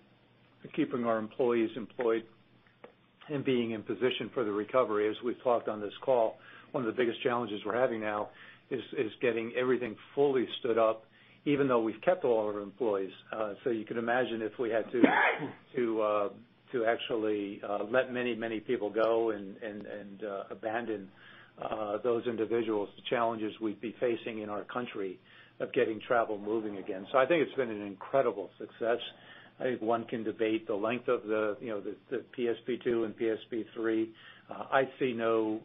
to keeping our employees employed, and being in position for the recovery. As we've talked on this call, one of the biggest challenges we're having now is getting everything fully stood up, even though we've kept all of our employees. You can imagine if we had to actually let many people go and abandon those individuals, the challenges we'd be facing in our country of getting travel moving again. I think it's been an incredible success. I think one can debate the length of the PSP2 and PSP3. I see no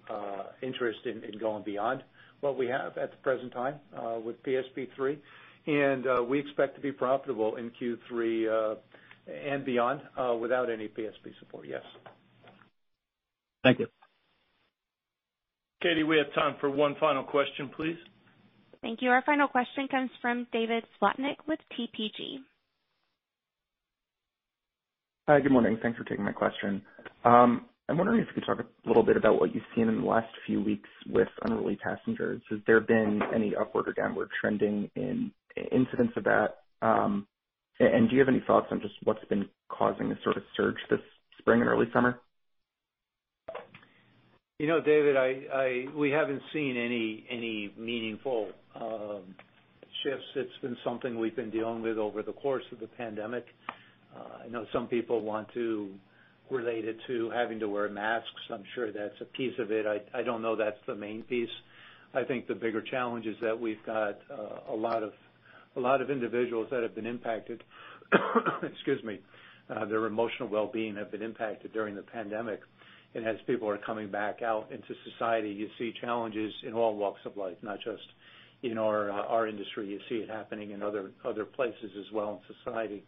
interest in going beyond what we have at the present time with PSP3, and we expect to be profitable in Q3 and beyond without any PSP support. Yes. Thank you. Katie, we have time for one final question, please. Thank you. Our final question comes from David Slotnick with TPG. Hi. Good morning. Thanks for taking my question. I'm wondering if you could talk a little bit about what you've seen in the last few weeks with unruly passengers. Has there been any upward or downward trending in incidents of that? Do you have any thoughts on just what's been causing a sort of surge this spring, early summer? David, we haven't seen any meaningful shifts. It's been something we've been dealing with over the course of the pandemic. I know some people want to relate it to having to wear masks. I'm sure that's a piece of it. I don't know that's the main piece. I think the bigger challenge is that we've got a lot of individuals that have been impacted, excuse me. Their emotional well-being have been impacted during the pandemic. As people are coming back out into society, you see challenges in all walks of life, not just in our industry. You see it happening in other places as well in society.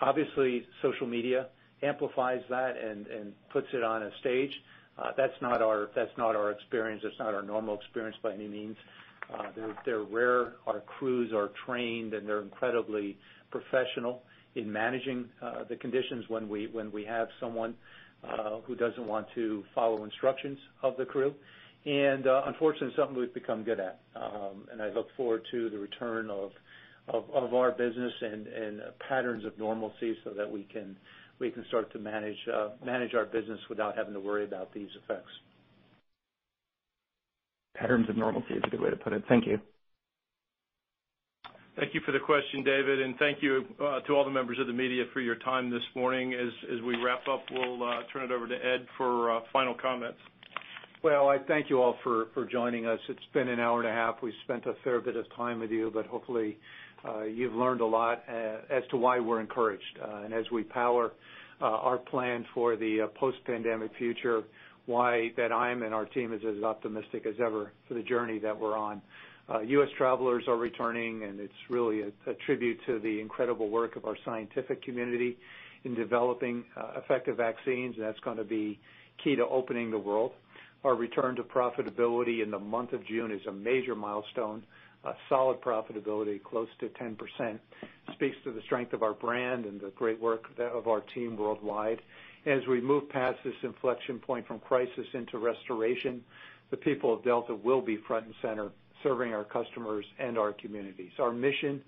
Obviously, social media amplifies that and puts it on a stage. That's not our experience. That's not our normal experience by any means. They're rare. Our crews are trained, they're incredibly professional in managing the conditions when we have someone who doesn't want to follow instructions of the crew, and unfortunately, something we've become good at. I look forward to the return of our business and patterns of normalcy so that we can start to manage our business without having to worry about these effects. Patterns of normalcy is a good way to put it. Thank you. Thank you for the question, David, and thank you to all the members of the media for your time this morning. As we wrap up, we'll turn it over to Ed for final comments. Well, I thank you all for joining us. It's been an hour and a half. We've spent a fair bit of time with you, but hopefully you've learned a lot as to why we're encouraged. As we power our plan for the post-pandemic future, why that I am and our team is as optimistic as ever for the journey that we're on. U.S. travelers are returning, and it's really a tribute to the incredible work of our scientific community in developing effective vaccines. That's going to be key to opening the world. Our return to profitability in the month of June is a major milestone. A solid profitability close to 10% speaks to the strength of our brand and the great work of our team worldwide. As we move past this inflection point from crisis into restoration, the people of Delta will be front and center serving our customers and our communities. Our mission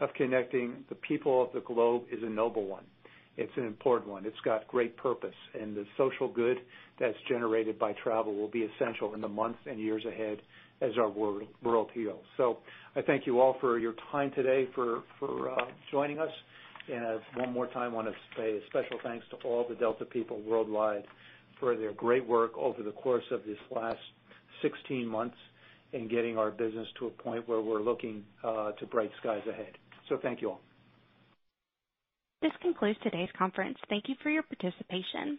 of connecting the people of the globe is a noble one. It's an important one. It's got great purpose, and the social good that's generated by travel will be essential in the months and years ahead as our world heals. I thank you all for your time today, for joining us. One more time, I want to say a special thanks to all the Delta people worldwide for their great work over the course of this last 16 months in getting our business to a point where we're looking to bright skies ahead. Thank you all. This concludes today's conference. Thank you for your participation.